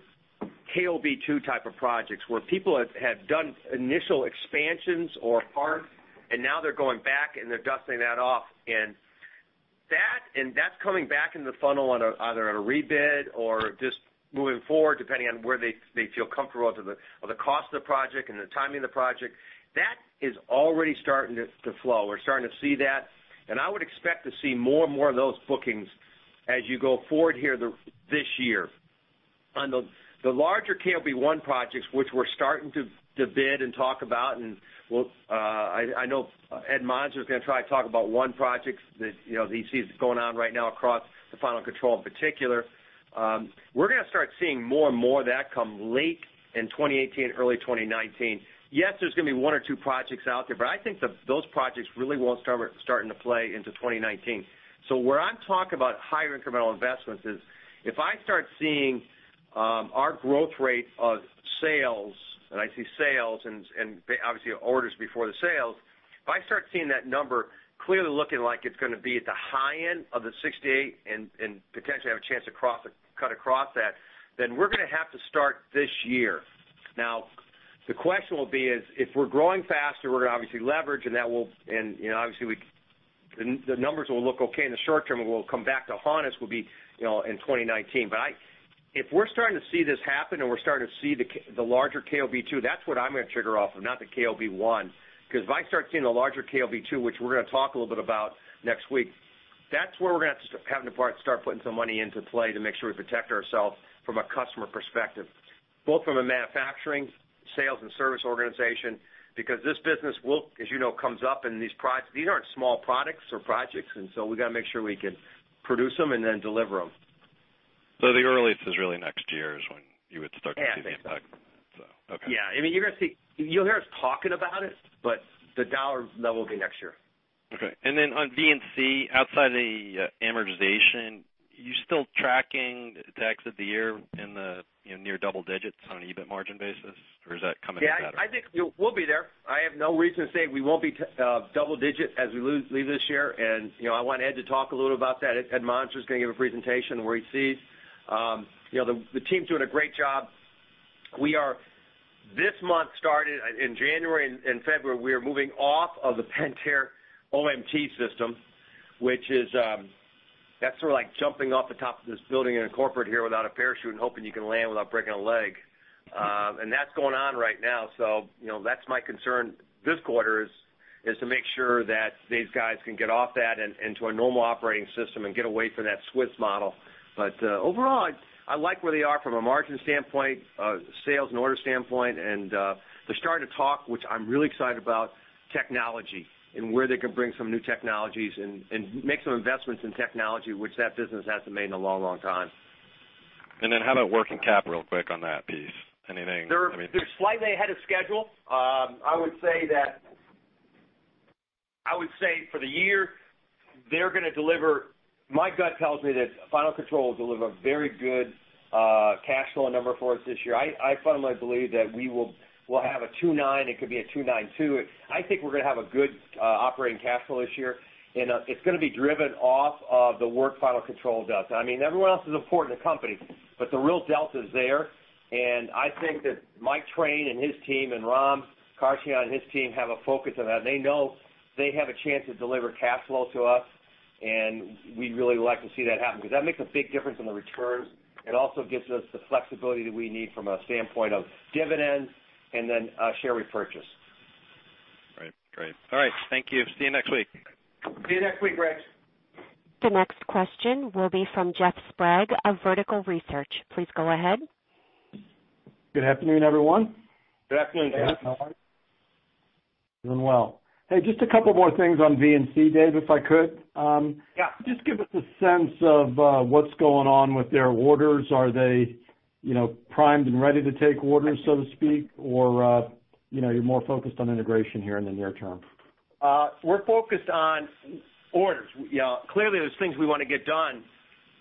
KOB-2 type of projects, where people have done initial expansions or re-start, now they're going back, and they're dusting that off, and that's coming back into the funnel on either a rebid or just moving forward, depending on where they feel comfortable to the cost of the project and the timing of the project. That is already starting to flow. We're starting to see that, I would expect to see more and more of those bookings as you go forward here this year. On the larger KOB-1 projects, which we're starting to bid and talk about, I know Ed Monser is going to try to talk about one project that he sees going on right now across the Final Control in particular. We're going to start seeing more and more of that come late in 2018, early 2019. Yes, there's going to be one or two projects out there, I think those projects really won't start to play into 2019. Where I'm talking about higher incremental investments is, if I start seeing our growth rate of sales, I see sales and obviously orders before the sales. If I start seeing that number clearly looking like it's going to be at the high end of the 68 and potentially have a chance to cut across that, we're going to have to start this year. The question will be is, if we're growing faster, we're going to obviously leverage and obviously the numbers will look okay in the short term, and we'll come back to Hones will be in 2019. If we're starting to see this happen and we're starting to see the larger KOB 2, that's what I'm going to trigger off of, not the KOB 1. If I start seeing the larger KOB 2, which we're going to talk a little bit about next week, that's where we're going to have to start putting some money into play to make sure we protect ourselves from a customer perspective, both from a manufacturing, sales, and service organization, because this business will, as you know, comes up and these aren't small products or projects, and so we got to make sure we can produce them and then deliver them. The earliest is really next year is when you would start to see the impact from that. Yeah. Okay. Yeah. You'll hear us talking about it, but the dollar level will be next year. Okay. On V&C, outside the amortization, you still tracking the exit of the year in the near double digits on an EBIT margin basis, or is that coming together? I think we'll be there. I have no reason to say we won't be double-digit as we leave this year, I want Ed to talk a little about that. Ed Monser is going to give a presentation where he sees. The team's doing a great job. This month started in January and February, we are moving off of the Pentair OMT system, which is that's like jumping off the top of this building in a corporate here without a parachute and hoping you can land without breaking a leg. That's going on right now. That's my concern this quarter is to make sure that these guys can get off that and into a normal operating system and get away from that Swiss model. Overall, I like where they are from a margin standpoint, sales and order standpoint. They're starting to talk, which I'm really excited about technology and where they can bring some new technologies and make some investments in technology, which that business hasn't made in a long time. How about working cap real quick on that piece? Anything? They're slightly ahead of schedule. I would say for the year, they're going to deliver My gut tells me that Final Control will deliver very good cash flow number for us this year. I firmly believe that we'll have a 2.9. It could be a 2.92. I think we're going to have a good operating cash flow this year, it's going to be driven off of the work Final Control does. Everyone else is important to the company, the real delta is there, I think that Mike Train and his team, Ram Krishnan and his team have a focus on that. They know they have a chance to deliver cash flow to us, we'd really like to see that happen because that makes a big difference in the returns. It also gives us the flexibility that we need from a standpoint of dividends and then share repurchase. Great. All right. Thank you. See you next week. See you next week, Rich. The next question will be from Jeff Sprague of Vertical Research. Please go ahead. Good afternoon, everyone. Good afternoon, Jeff. How are you? Doing well. Hey, just a couple more things on V&C, Dave, if I could. Yeah. Just give us a sense of what's going on with their orders. Are they primed and ready to take orders, so to speak, or you're more focused on integration here in the near term? We're focused on orders. Clearly, there's things we want to get done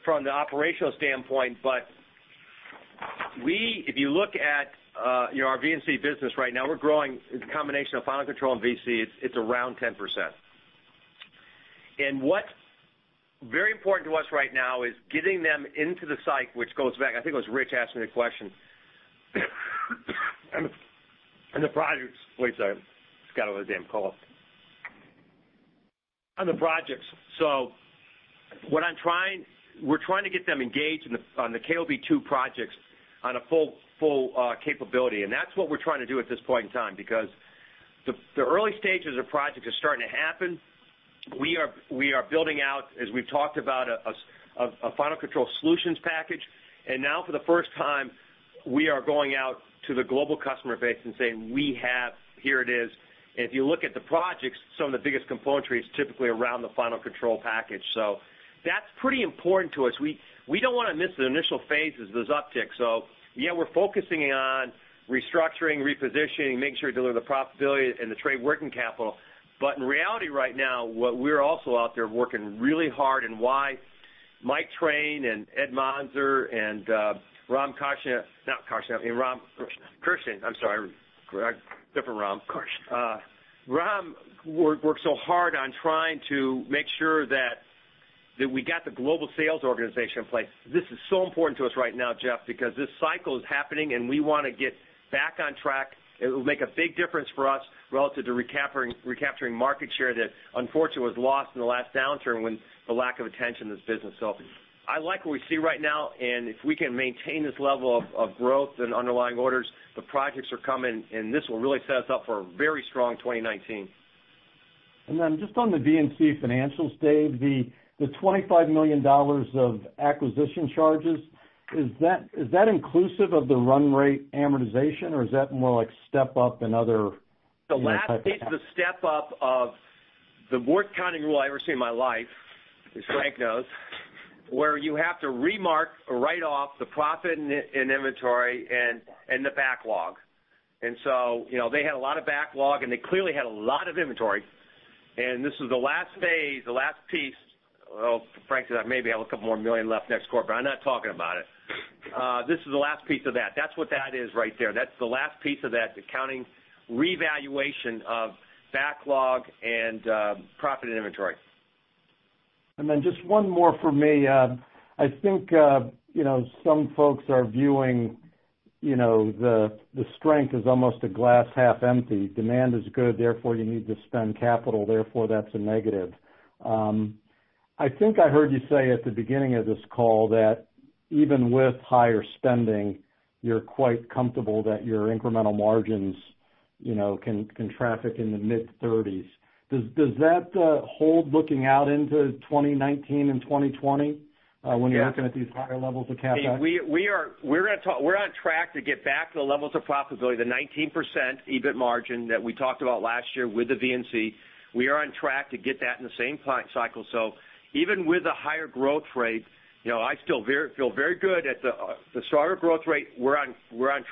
from the operational standpoint, but if you look at our V&C business right now, we're growing as a combination of Final Control and V&C, it's around 10%. What's very important to us right now is getting them into the site, which goes back, I think it was Rich asking me the question. The projects Wait a second. Just got another damn call. On the projects. We're trying to get them engaged on the KOB-2 projects on a full capability. That's what we're trying to do at this point in time, because the early stages of projects are starting to happen. We are building out, as we've talked about, a Final Control solutions package. Now for the first time, we are going out to the global customer base and saying, "We have, here it is." If you look at the projects, some of the biggest componentry is typically around the Final Control package. That's pretty important to us. We don't want to miss the initial phases, those upticks. Yeah, we're focusing on restructuring, repositioning, making sure we deliver the profitability and the trade working capital. In reality right now, what we're also out there working really hard and why Mike Train and Ed Monser and Ram Krishnan work so hard on trying to make sure that we got the global sales organization in place. This is so important to us right now, Jeff, because this cycle is happening, and we want to get back on track. It will make a big difference for us relative to recapturing market share that unfortunately was lost in the last downturn when the lack of attention to this business. I like what we see right now, if we can maintain this level of growth and underlying orders, the projects are coming, this will really set us up for a very strong 2019. Then just on the V&C financials, Dave, the $25 million of acquisition charges, is that inclusive of the run rate amortization or is that more like step-up and other type of- The last piece of step-up of the worst accounting rule I ever seen in my life, as Frank knows, where you have to remark or write off the profit in inventory and the backlog. They had a lot of backlog, and they clearly had a lot of inventory. This was the last phase, the last piece. Well, Frank said maybe I have a couple more million left next quarter, I'm not talking about it. This is the last piece of that. That's what that is right there. That's the last piece of that, the accounting revaluation of backlog and profit and inventory. Then just one more from me. I think some folks are viewing the strength as almost a glass half empty. Demand is good, therefore you need to spend capital, therefore that's a negative. I think I heard you say at the beginning of this call that even with higher spending, you're quite comfortable that your incremental margins can traffic in the mid-30s. Does that hold looking out into 2019 and 2020 when you're looking at these higher levels of CapEx? We're on track to get back to the levels of profitability, the 19% EBIT margin that we talked about last year with the V&C. We are on track to get that in the same cycle. Even with the higher growth rate, I still feel very good at the starter growth rate. We're on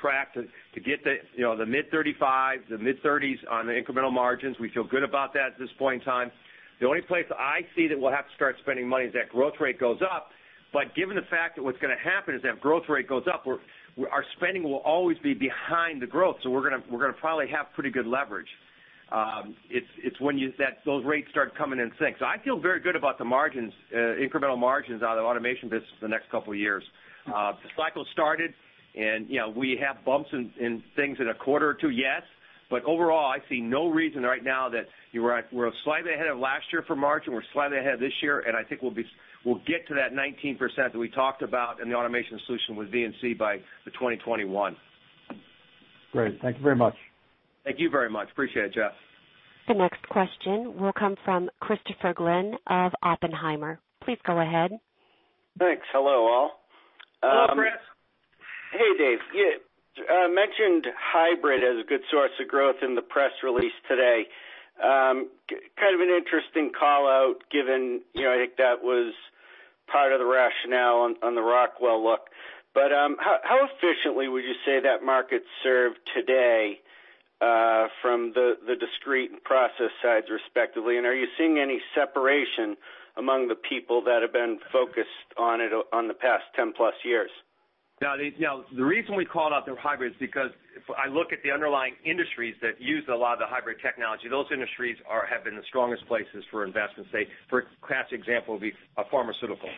track to get the mid-35, the mid-30s on the incremental margins. We feel good about that at this point in time. The only place I see that we'll have to start spending money is if that growth rate goes up. Given the fact that what's going to happen is that growth rate goes up, our spending will always be behind the growth. We're going to probably have pretty good leverage. It's when those rates start coming in thick. I feel very good about the margins, incremental margins out of the Automation Solutions business for the next couple of years. The cycle started, we have bumps in things in a quarter or two, yes. Overall, I see no reason right now that we're slightly ahead of last year for margin. We're slightly ahead this year, and I think we'll get to that 19% that we talked about in the Automation Solutions with V&C by 2021. Great. Thank you very much. Thank you very much. Appreciate it, Jeff. The next question will come from Christopher Glynn of Oppenheimer. Please go ahead. Thanks. Hello, all. Hello, Chris. Hey, Dave. You mentioned hybrid as a good source of growth in the press release today. Kind of an interesting call-out given I think that was part of the rationale on the Rockwell look. How efficiently would you say that market's served today from the discrete and process sides, respectively? Are you seeing any separation among the people that have been focused on it on the past 10+ years? The reason we called out the hybrid is because if I look at the underlying industries that use a lot of the hybrid technology, those industries have been the strongest places for investment. Say, for a classic example would be a pharmaceutical.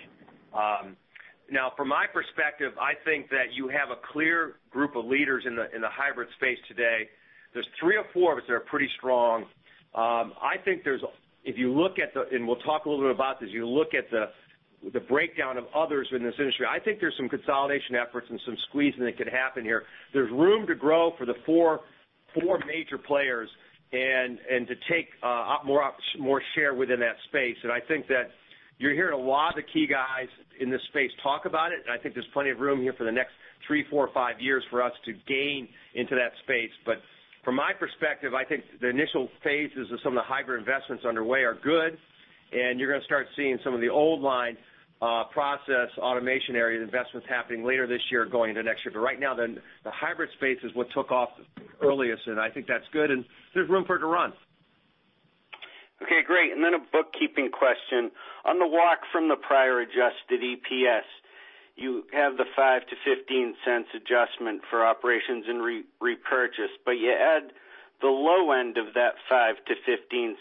From my perspective, I think that you have a clear group of leaders in the hybrid space today. There's three or four of us that are pretty strong. We'll talk a little bit about this. You look at the breakdown of others in this industry. I think there's some consolidation efforts and some squeezing that could happen here. There's room to grow for the 4 major players and to take more share within that space. I think that you're hearing a lot of the key guys in this space talk about it, and I think there's plenty of room here for the next three, four, five years for us to gain into that space. From my perspective, I think the initial phases of some of the hybrid investments underway are good, and you're going to start seeing some of the old line process automation area investments happening later this year going into next year. Right now, the hybrid space is what took off earliest, and I think that's good, and there's room for it to run. Okay, great. Then a bookkeeping question. On the walk from the prior adjusted EPS, you have the $0.05-$0.15 adjustment for operations and repurchase, but you add the low end of that $0.05-$0.15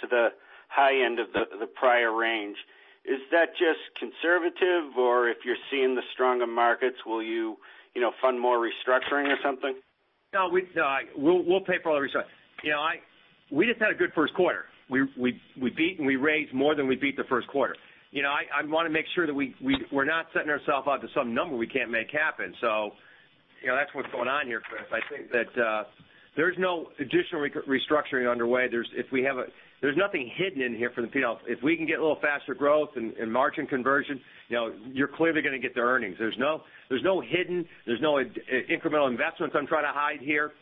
to the high end of the prior range. Is that just conservative, or if you're seeing the stronger markets, will you fund more restructuring or something? No, we'll pay for all the restructuring. We just had a good first quarter. We beat and we raised more than we beat the first quarter. I want to make sure that we're not setting ourselves up to some number we can't make happen. So that's what's going on here, Chris. I think that there's no additional restructuring underway. There's nothing hidden in here. If we can get a little faster growth and margin conversion, you're clearly going to get the earnings. There's no hidden incremental investments I'm trying to hide here.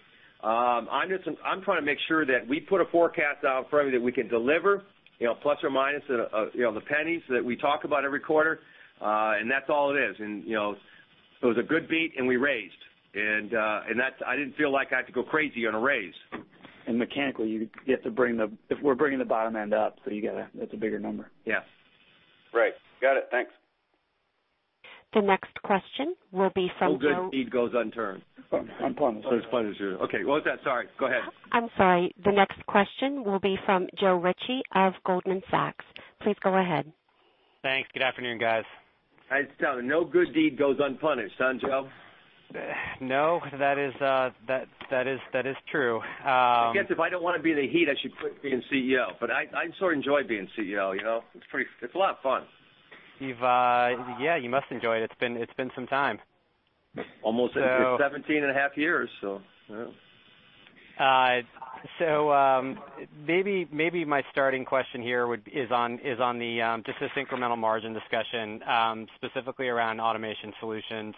I'm trying to make sure that we put a forecast out in front of you that we can deliver, plus or minus the pennies that we talk about every quarter. That's all it is. It was a good beat, and we raised. I didn't feel like I had to go crazy on a raise. Mechanically, if we're bringing the bottom end up, so that's a bigger number. Yeah. Right. Got it. Thanks. The next question will be from Joe. No good deed goes unpunished. Unpunished. Unpunished. Okay. What was that? Sorry. Go ahead. I'm sorry. The next question will be from Joe Ritchie of Goldman Sachs. Please go ahead. Thanks. Good afternoon, guys. I was telling him, no good deed goes unpunished, huh, Joe? No, that is true. I guess if I don't want to be in the heat, I should quit being CEO. I sort of enjoy being CEO. It's a lot of fun. Yeah, you must enjoy it. It's been some time. Almost 17 and a half years. Maybe my starting question here is on just this incremental margin discussion, specifically around Automation Solutions.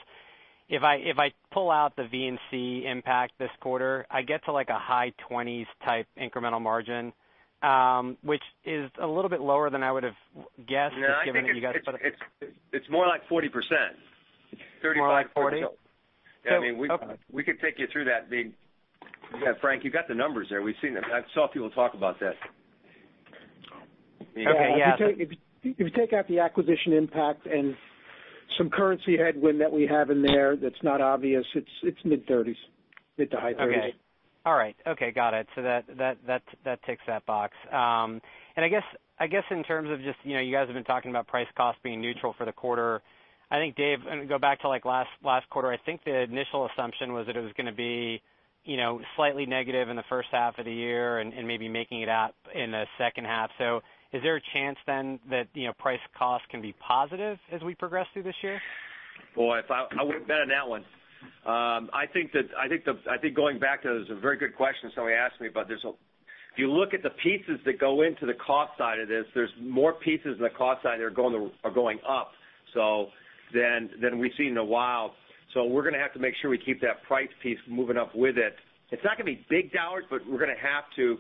If I pull out the V&C impact this quarter, I get to like a high 20s type incremental margin, which is a little bit lower than I would have guessed. No, I think it's more like 40%. More like 40? 35, 40. Okay. We could take you through that big Frank, you've got the numbers there. We've seen them. I've saw people talk about that. Okay, yeah. If you take out the acquisition impact and some currency headwind that we have in there that's not obvious, it's mid-30s. Mid to high 30s. Okay. All right. Okay, got it. That ticks that box. I guess in terms of just, you guys have been talking about price cost being neutral for the quarter. I think, Dave, go back to like last quarter, I think the initial assumption was that it was going to be slightly negative in the first half of the year and maybe making it up in the second half. Is there a chance then that price cost can be positive as we progress through this year? Boy, I wouldn't bet on that one. I think going back to those, a very good question somebody asked me about this. If you look at the pieces that go into the cost side of this, there's more pieces in the cost side that are going up than we've seen in a while. We're going to have to make sure we keep that price piece moving up with it. It's not going to be big dollars, but we're going to have to.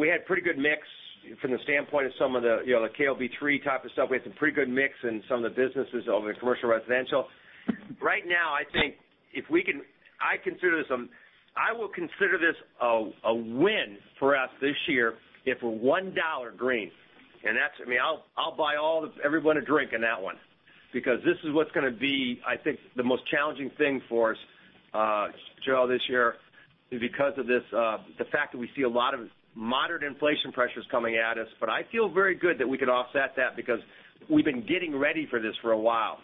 We had pretty good mix from the standpoint of some of the KOB 3 type of stuff. We had some pretty good mix in some of the businesses over in Commercial and Residential. Right now, I will consider this a win for us this year if we're $1 green. I'll buy everyone a drink on that one. This is what's going to be, I think, the most challenging thing for us, Joe, this year because of the fact that we see a lot of moderate inflation pressures coming at us. I feel very good that we could offset that because we've been getting ready for this for a while.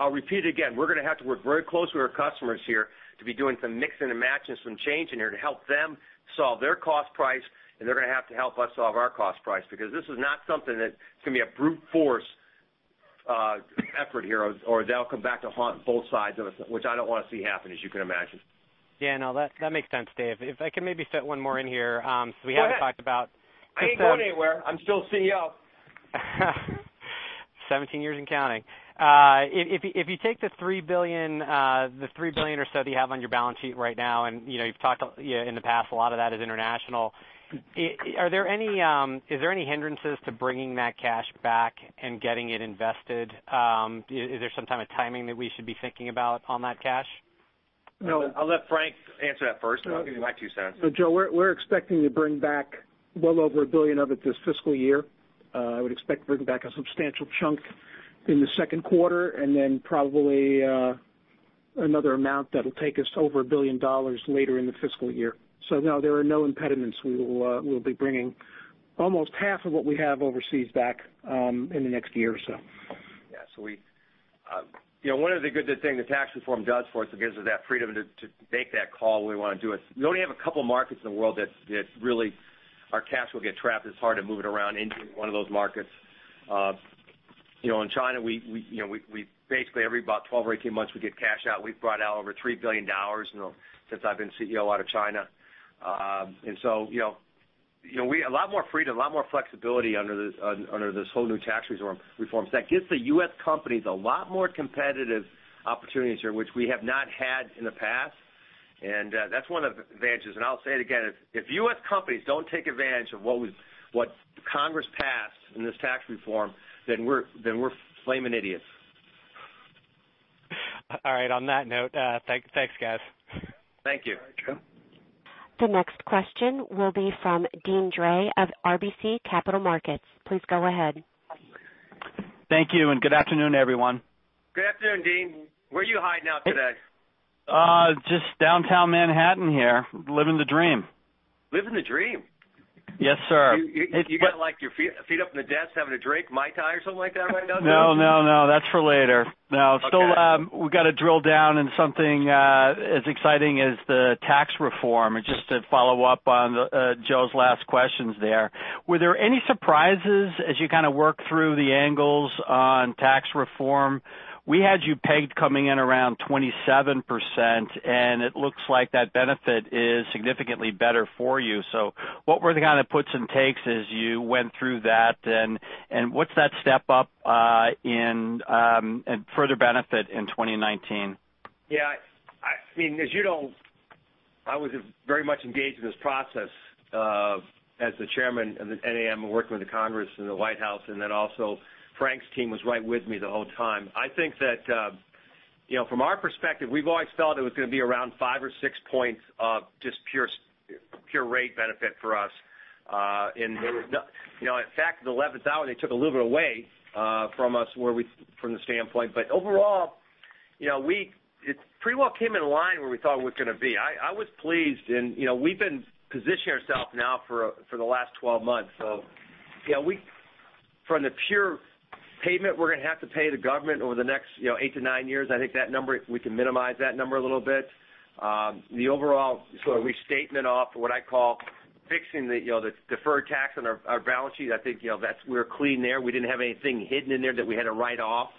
I'll repeat again, we're going to have to work very closely with our customers here to be doing some mixing and matching, some changing here to help them solve their cost price, and they're going to have to help us solve our cost price because this is not something that's going to be a brute force effort here, or that'll come back to haunt both sides of us, which I don't want to see happen, as you can imagine. Yeah, no, that makes sense, Dave. If I can maybe fit one more in here. Go ahead. We haven't talked about. I ain't going anywhere. I'm still CEO. 17 years and counting. If you take the $3 billion or so that you have on your balance sheet right now, you've talked in the past a lot of that is international. Is there any hindrances to bringing that cash back and getting it invested? Is there some kind of timing that we should be thinking about on that cash? No. I'll let Frank answer that first, I'll give you my two cents. Joe, we're expecting to bring back well over $1 billion of it this fiscal year. I would expect to bring back a substantial chunk in the second quarter, then probably another amount that'll take us over $1 billion later in the fiscal year. No, there are no impediments. We'll be bringing almost half of what we have overseas back in the next year or so. Yeah. One of the good things the tax reform does for us, it gives us that freedom to make that call we want to do it. We only have a couple markets in the world that really our cash will get trapped. It's hard to move it around. India is one of those markets. In China, we basically every about 12 or 18 months, we get cash out. We've brought out over $3 billion since I've been CEO out of China. A lot more freedom, a lot more flexibility under this whole new tax reform. That gives the U.S. companies a lot more competitive opportunities here, which we have not had in the past, and that's one of the advantages. I'll say it again, if U.S. companies don't take advantage of what Congress passed in this tax reform, then we're flaming idiots. All right, on that note, thanks guys. Thank you. All right, Joe. The next question will be from Deane Dray of RBC Capital Markets. Please go ahead. Thank you, and good afternoon, everyone. Good afternoon, Deane. Where are you hiding out today? Just downtown Manhattan here. Living the dream. Living the dream? Yes, sir. You got like your feet up on the desk, having a drink, Mai Tai or something like that right now? No, that's for later. No. Okay. We've got to drill down in something as exciting as the tax reform, just to follow up on Joe's last questions there. Were there any surprises as you kind of worked through the angles on tax reform? We had you pegged coming in around 27%, and it looks like that benefit is significantly better for you. What were the kind of puts and takes as you went through that then, and what's that step up in further benefit in 2019? Yeah. As you know, I was very much engaged in this process as the chairman of NAM, working with the Congress and the White House. Frank's team was right with me the whole time. From our perspective, we've always felt it was going to be around five or six points of just pure rate benefit for us. In fact, the 11th hour, they took a little bit away from us from the standpoint. Overall, it pretty well came in line where we thought it was going to be. I was pleased, and we've been positioning ourself now for the last 12 months. From the pure payment we're going to have to pay the government over the next eight to nine years, I think that number, we can minimize that number a little bit. The overall sort of restatement off what I call Fixing the deferred tax on our balance sheet. I think we're clean there. We didn't have anything hidden in there that we had to write off.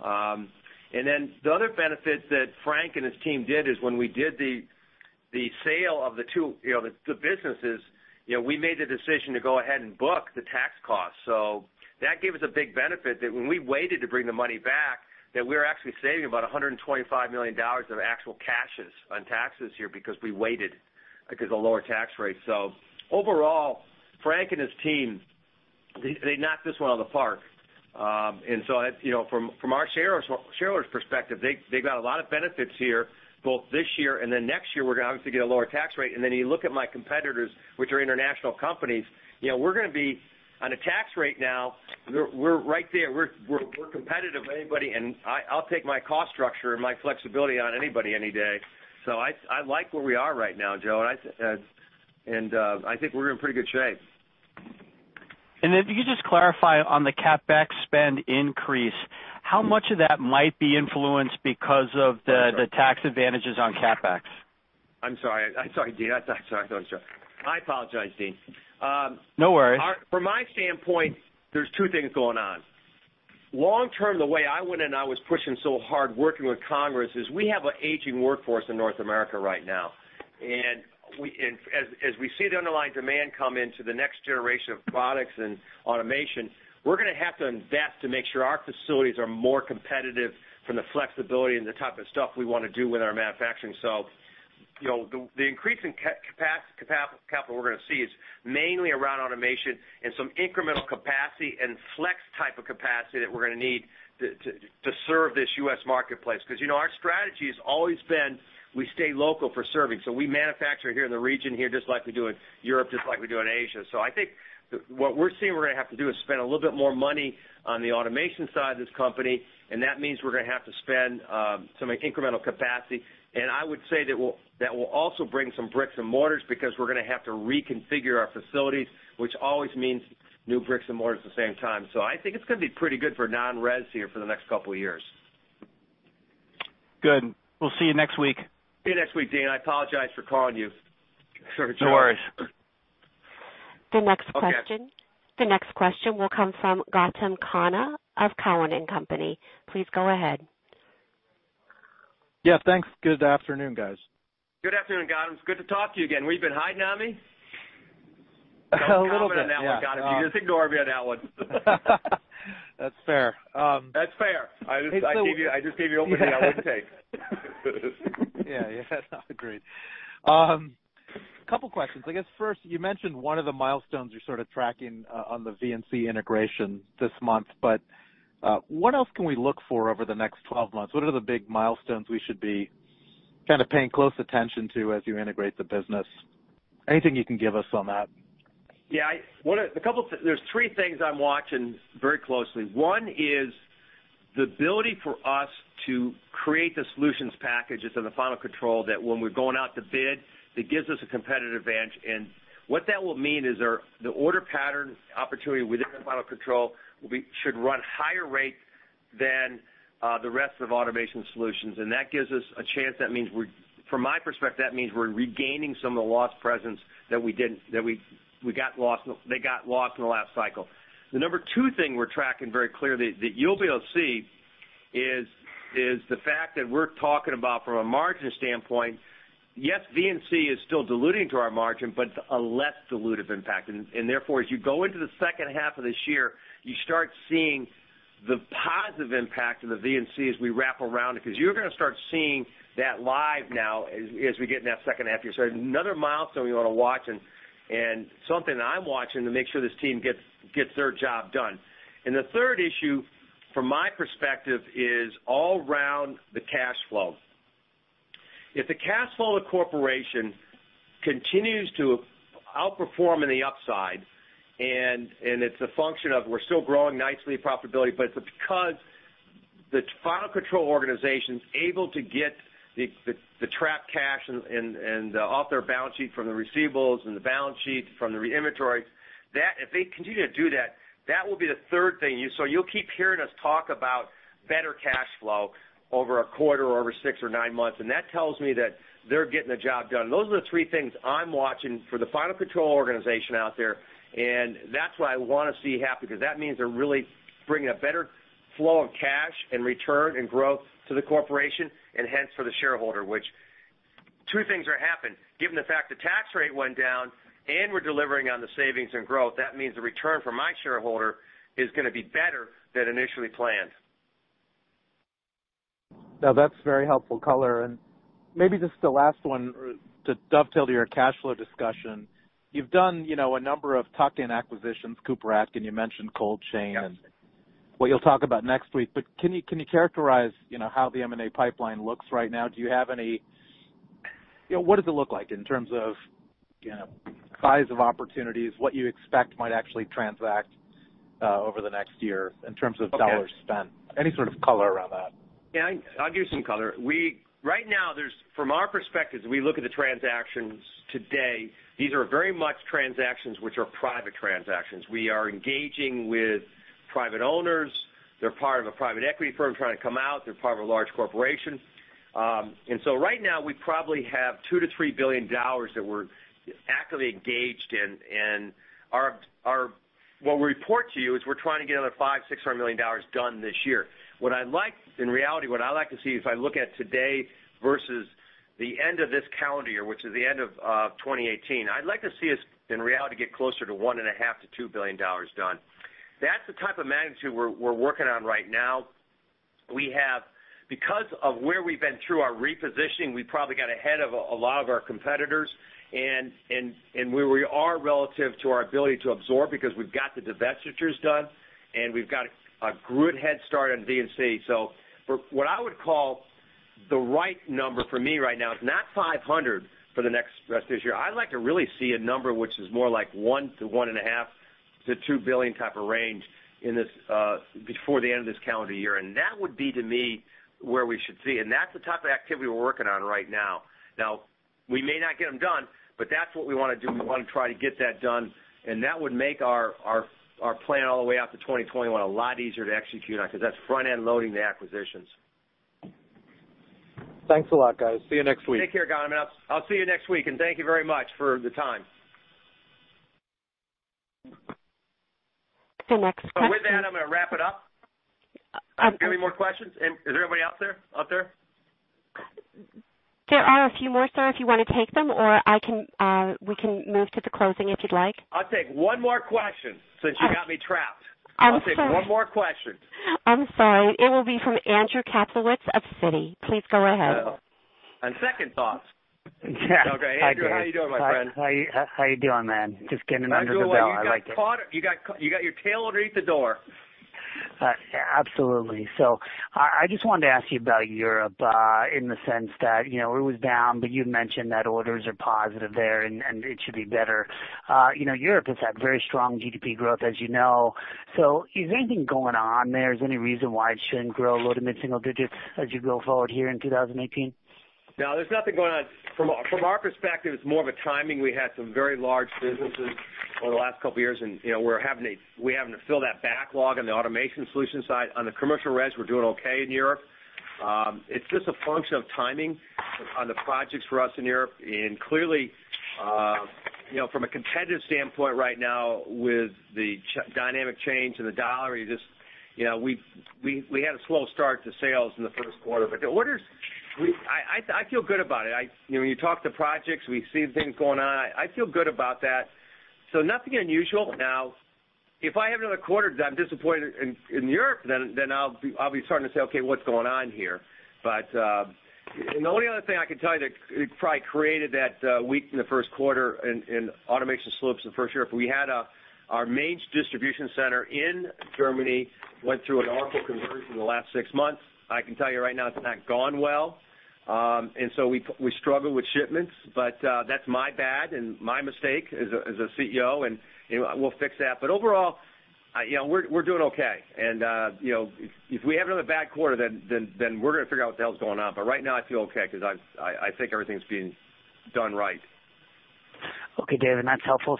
The other benefit that Frank and his team did is when we did the sale of the two businesses, we made the decision to go ahead and book the tax cost. That gave us a big benefit that when we waited to bring the money back, that we were actually saving about $125 million of actual cash on taxes here because we waited, because of lower tax rates. Overall, Frank and his team, they knocked this one out of the park. From our shareholders' perspective, they got a lot of benefits here, both this year and next year, we're going to obviously get a lower tax rate. You look at my competitors, which are international companies, we're going to be on a tax rate now. We're right there. We're competitive with anybody, and I'll take my cost structure and my flexibility on anybody any day. I like where we are right now, Joe, and I think we're in pretty good shape. If you could just clarify on the CapEx spend increase, how much of that might be influenced because of the tax advantages on CapEx? I'm sorry. I apologize, Deane. No worries. From my standpoint, there's two things going on. Long term, the way I went in, I was pushing so hard working with Congress, is we have an aging workforce in North America right now. As we see the underlying demand come into the next generation of products and automation, we're going to have to invest to make sure our facilities are more competitive from the flexibility and the type of stuff we want to do with our manufacturing. The increase in capital we're going to see is mainly around automation and some incremental capacity and flex type of capacity that we're going to need to serve this U.S. marketplace. Our strategy has always been, we stay local for serving. We manufacture here in the region here, just like we do in Europe, just like we do in Asia. I think what we're seeing we're going to have to do is spend a little bit more money on the automation side of this company, and that means we're going to have to spend some incremental capacity. I would say that will also bring some bricks and mortars because we're going to have to reconfigure our facilities, which always means new bricks and mortars at the same time. I think it's going to be pretty good for non-res here for the next couple of years. Good. We'll see you next week. See you next week, Deane. I apologize for calling you. No worries. The next question will come from Gautam Khanna of Cowen and Company. Please go ahead. Yeah, thanks. Good afternoon, guys. Good afternoon, Gautam. It's good to talk to you again. Where have you been, hiding on me? A little bit, yeah. Gautam on that one. You just ignore me on that one. That's fair. That's fair. I just gave you an opening. I wouldn't take. Yeah. Agreed. Couple questions. I guess first, you mentioned one of the milestones you're sort of tracking on the V&C integration this month, but what else can we look for over the next 12 months? What are the big milestones we should be kind of paying close attention to as you integrate the business? Anything you can give us on that? Yeah. There's three things I'm watching very closely. One is the ability for us to create the solutions packages in the Final Control that when we're going out to bid, that gives us a competitive advantage. What that will mean is the order pattern opportunity within the Final Control should run higher rate than the rest of Automation Solutions. That gives us a chance. From my perspective, that means we're regaining some of the lost presence that they got lost in the last cycle. The number two thing we're tracking very clearly that you'll be able to see is the fact that we're talking about from a margin standpoint, yes, V&C is still diluting to our margin, but a less dilutive impact. Therefore, as you go into the second half of this year, you start seeing the positive impact of the V&C as we wrap around it. You're going to start seeing that live now as we get in that second half. Another milestone we want to watch and something I'm watching to make sure this team gets their job done. The third issue from my perspective is all around the cash flow. If the cash flow of the corporation continues to outperform in the upside, and it's a function of we're still growing nicely profitability, but it's because the Final Control organization's able to get the trapped cash off their balance sheet from the receivables and the balance sheet from the inventory. If they continue to do that will be the third thing. You'll keep hearing us talk about better cash flow over a quarter or over six or nine months, and that tells me that they're getting the job done. Those are the three things I'm watching for the Final Control organization out there, and that's what I want to see happen, because that means they're really bringing a better flow of cash and return and growth to the corporation and hence for the shareholder, which two things are happening. Given the fact the tax rate went down and we're delivering on the savings and growth, that means the return for my shareholder is going to be better than initially planned. Now, that's very helpful color. Maybe just the last one to dovetail to your cash flow discussion. You've done a number of tuck-in acquisitions, Cooper-Atkins, you mentioned cold chain- Yes What you'll talk about next week, can you characterize how the M&A pipeline looks right now? What does it look like in terms of size of opportunities, what you expect might actually transact over the next year in terms of dollars spent? Okay. Any sort of color around that? Yeah. I'll give some color. Right now, from our perspective, as we look at the transactions today, these are very much transactions which are private transactions. We are engaging with private owners. They're part of a private equity firm trying to come out. They're part of a large corporation. Right now we probably have $2 billion-$3 billion that we're actively engaged in. What we report to you is we're trying to get another $500 million, $600 million done this year. In reality, what I like to see, if I look at today versus the end of this calendar year, which is the end of 2018, I'd like to see us, in reality, get closer to $1.5 billion-$2 billion done. That's the type of magnitude we're working on right now. Because of where we've been through our repositioning, we probably got ahead of a lot of our competitors, and where we are relative to our ability to absorb, because we've got the divestitures done, and we've got a good head start on V&C. What I would call the right number for me right now is not $500 million for the rest of this year. I'd like to really see a number which is more like $1 billion to $1.5 billion to $2 billion type of range before the end of this calendar year. That would be, to me, where we should see. That's the type of activity we're working on right now. We may not get them done, but that's what we want to do, and we want to try to get that done, and that would make our plan all the way out to 2021 a lot easier to execute on, because that's front-end loading the acquisitions. Thanks a lot, guys. See you next week. Take care, Donovan. I'll see you next week, and thank you very much for the time. The next question- With that, I'm going to wrap it up. Any more questions? Is there anybody out there? Up there? There are a few more, sir, if you want to take them, or we can move to the closing, if you'd like. I'll take one more question since you got me trapped. I'm sorry. I'll take one more question. I'm sorry. It will be from Andrew Kaplowitz of Citi. Please go ahead. On second thought. Okay, Andrew, how you doing, my friend? How you doing, man? Just getting under the bell. I like it. Andrew, you got your tail underneath the door. Absolutely. I just wanted to ask you about Europe in the sense that it was down, but you mentioned that orders are positive there, and it should be better. Europe has had very strong GDP growth, as you know. Is anything going on there? Is there any reason why it shouldn't grow low to mid single digits as you go forward here in 2018? No, there's nothing going on. From our perspective, it's more of a timing. We had some very large businesses over the last couple of years, and we're having to fill that backlog on the Automation Solutions side. On the Commercial Res, we're doing okay in Europe. It's just a function of timing on the projects for us in Europe. Clearly, from a competitive standpoint right now with the dynamic change in the dollar, we had a slow start to sales in the first quarter. The orders, I feel good about it. When you talk to projects, we see things going on. I feel good about that. Nothing unusual. Now, if I have another quarter that I'm disappointed in Europe, then I'll be starting to say, "Okay, what's going on here?" The only other thing I can tell you that probably created that weak in the first quarter in Automation Solutions in the first year, our main distribution center in Germany went through an Oracle conversion in the last six months. I can tell you right now it's not gone well. We struggle with shipments. That's my bad and my mistake as a CEO, and we'll fix that. Overall, we're doing okay. If we have another bad quarter, then we're going to figure out what the hell's going on. Right now, I feel okay because I think everything's being done right. Okay, David, that's helpful.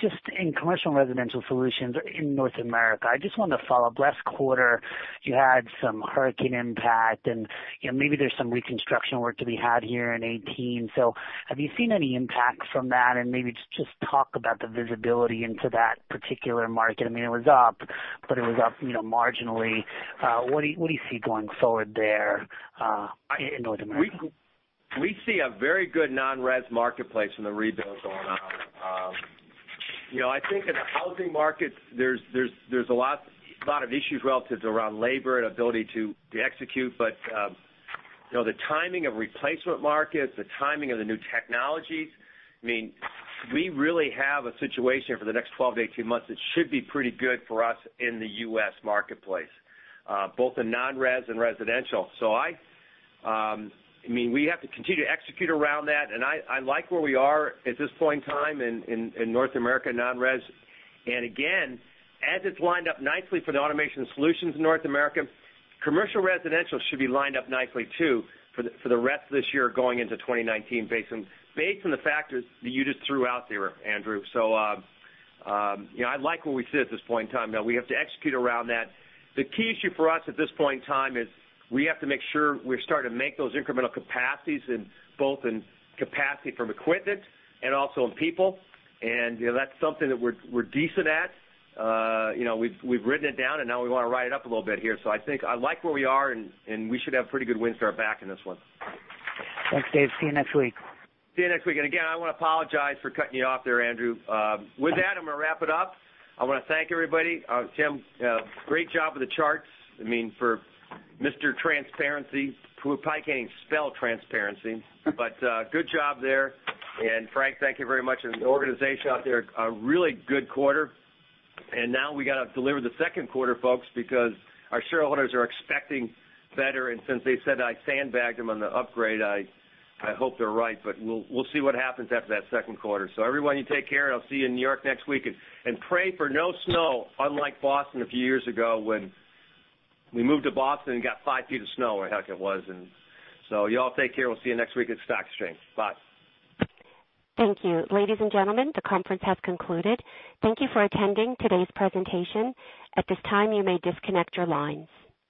Just in Commercial and Residential Solutions in North America, I just wanted to follow up. Last quarter, you had some hurricane impact, and maybe there's some reconstruction work to be had here in 2018. Have you seen any impact from that? Maybe just talk about the visibility into that particular market. It was up, but it was up marginally. What do you see going forward there in North America? We see a very good non-res marketplace from the rebuild going on. I think in the housing markets, there's a lot of issues relative around labor and ability to execute. The timing of replacement markets, the timing of the new technologies, we really have a situation for the next 12-18 months that should be pretty good for us in the U.S. marketplace, both in non-res and residential. We have to continue to execute around that, and I like where we are at this point in time in North America non-res. Again, as it's lined up nicely for the Automation Solutions in North America, Commercial and Residential Solutions should be lined up nicely too for the rest of this year going into 2019 based on the factors that you just threw out there, Andrew. I like where we sit at this point in time. Now, we have to execute around that. The key issue for us at this point in time is we have to make sure we're starting to make those incremental capacities both in capacity from equipment and also in people. That's something that we're decent at. We've written it down, and now we want to write it up a little bit here. I like where we are, and we should have pretty good wind to our back in this one. Thanks, Dave. See you next week. See you next week. Again, I want to apologize for cutting you off there, Andrew. With that, I'm going to wrap it up. I want to thank everybody. Tim, great job with the charts. For Mr. Transparency, who probably can't even spell transparency, but good job there. Frank, thank you very much, and the organization out there, a really good quarter. Now we got to deliver the second quarter, folks, because our shareholders are expecting better. Since they said I sandbagged them on the upgrade, I hope they're right. We'll see what happens after that second quarter. Everyone, you take care. I'll see you in New York next week. Pray for no snow, unlike Boston a few years ago when we moved to Boston and got five feet of snow, or heck, it was. You all take care. We'll see you next week at Stock Exchange. Bye. Thank you. Ladies and gentlemen, the conference has concluded. Thank you for attending today's presentation. At this time, you may disconnect your lines.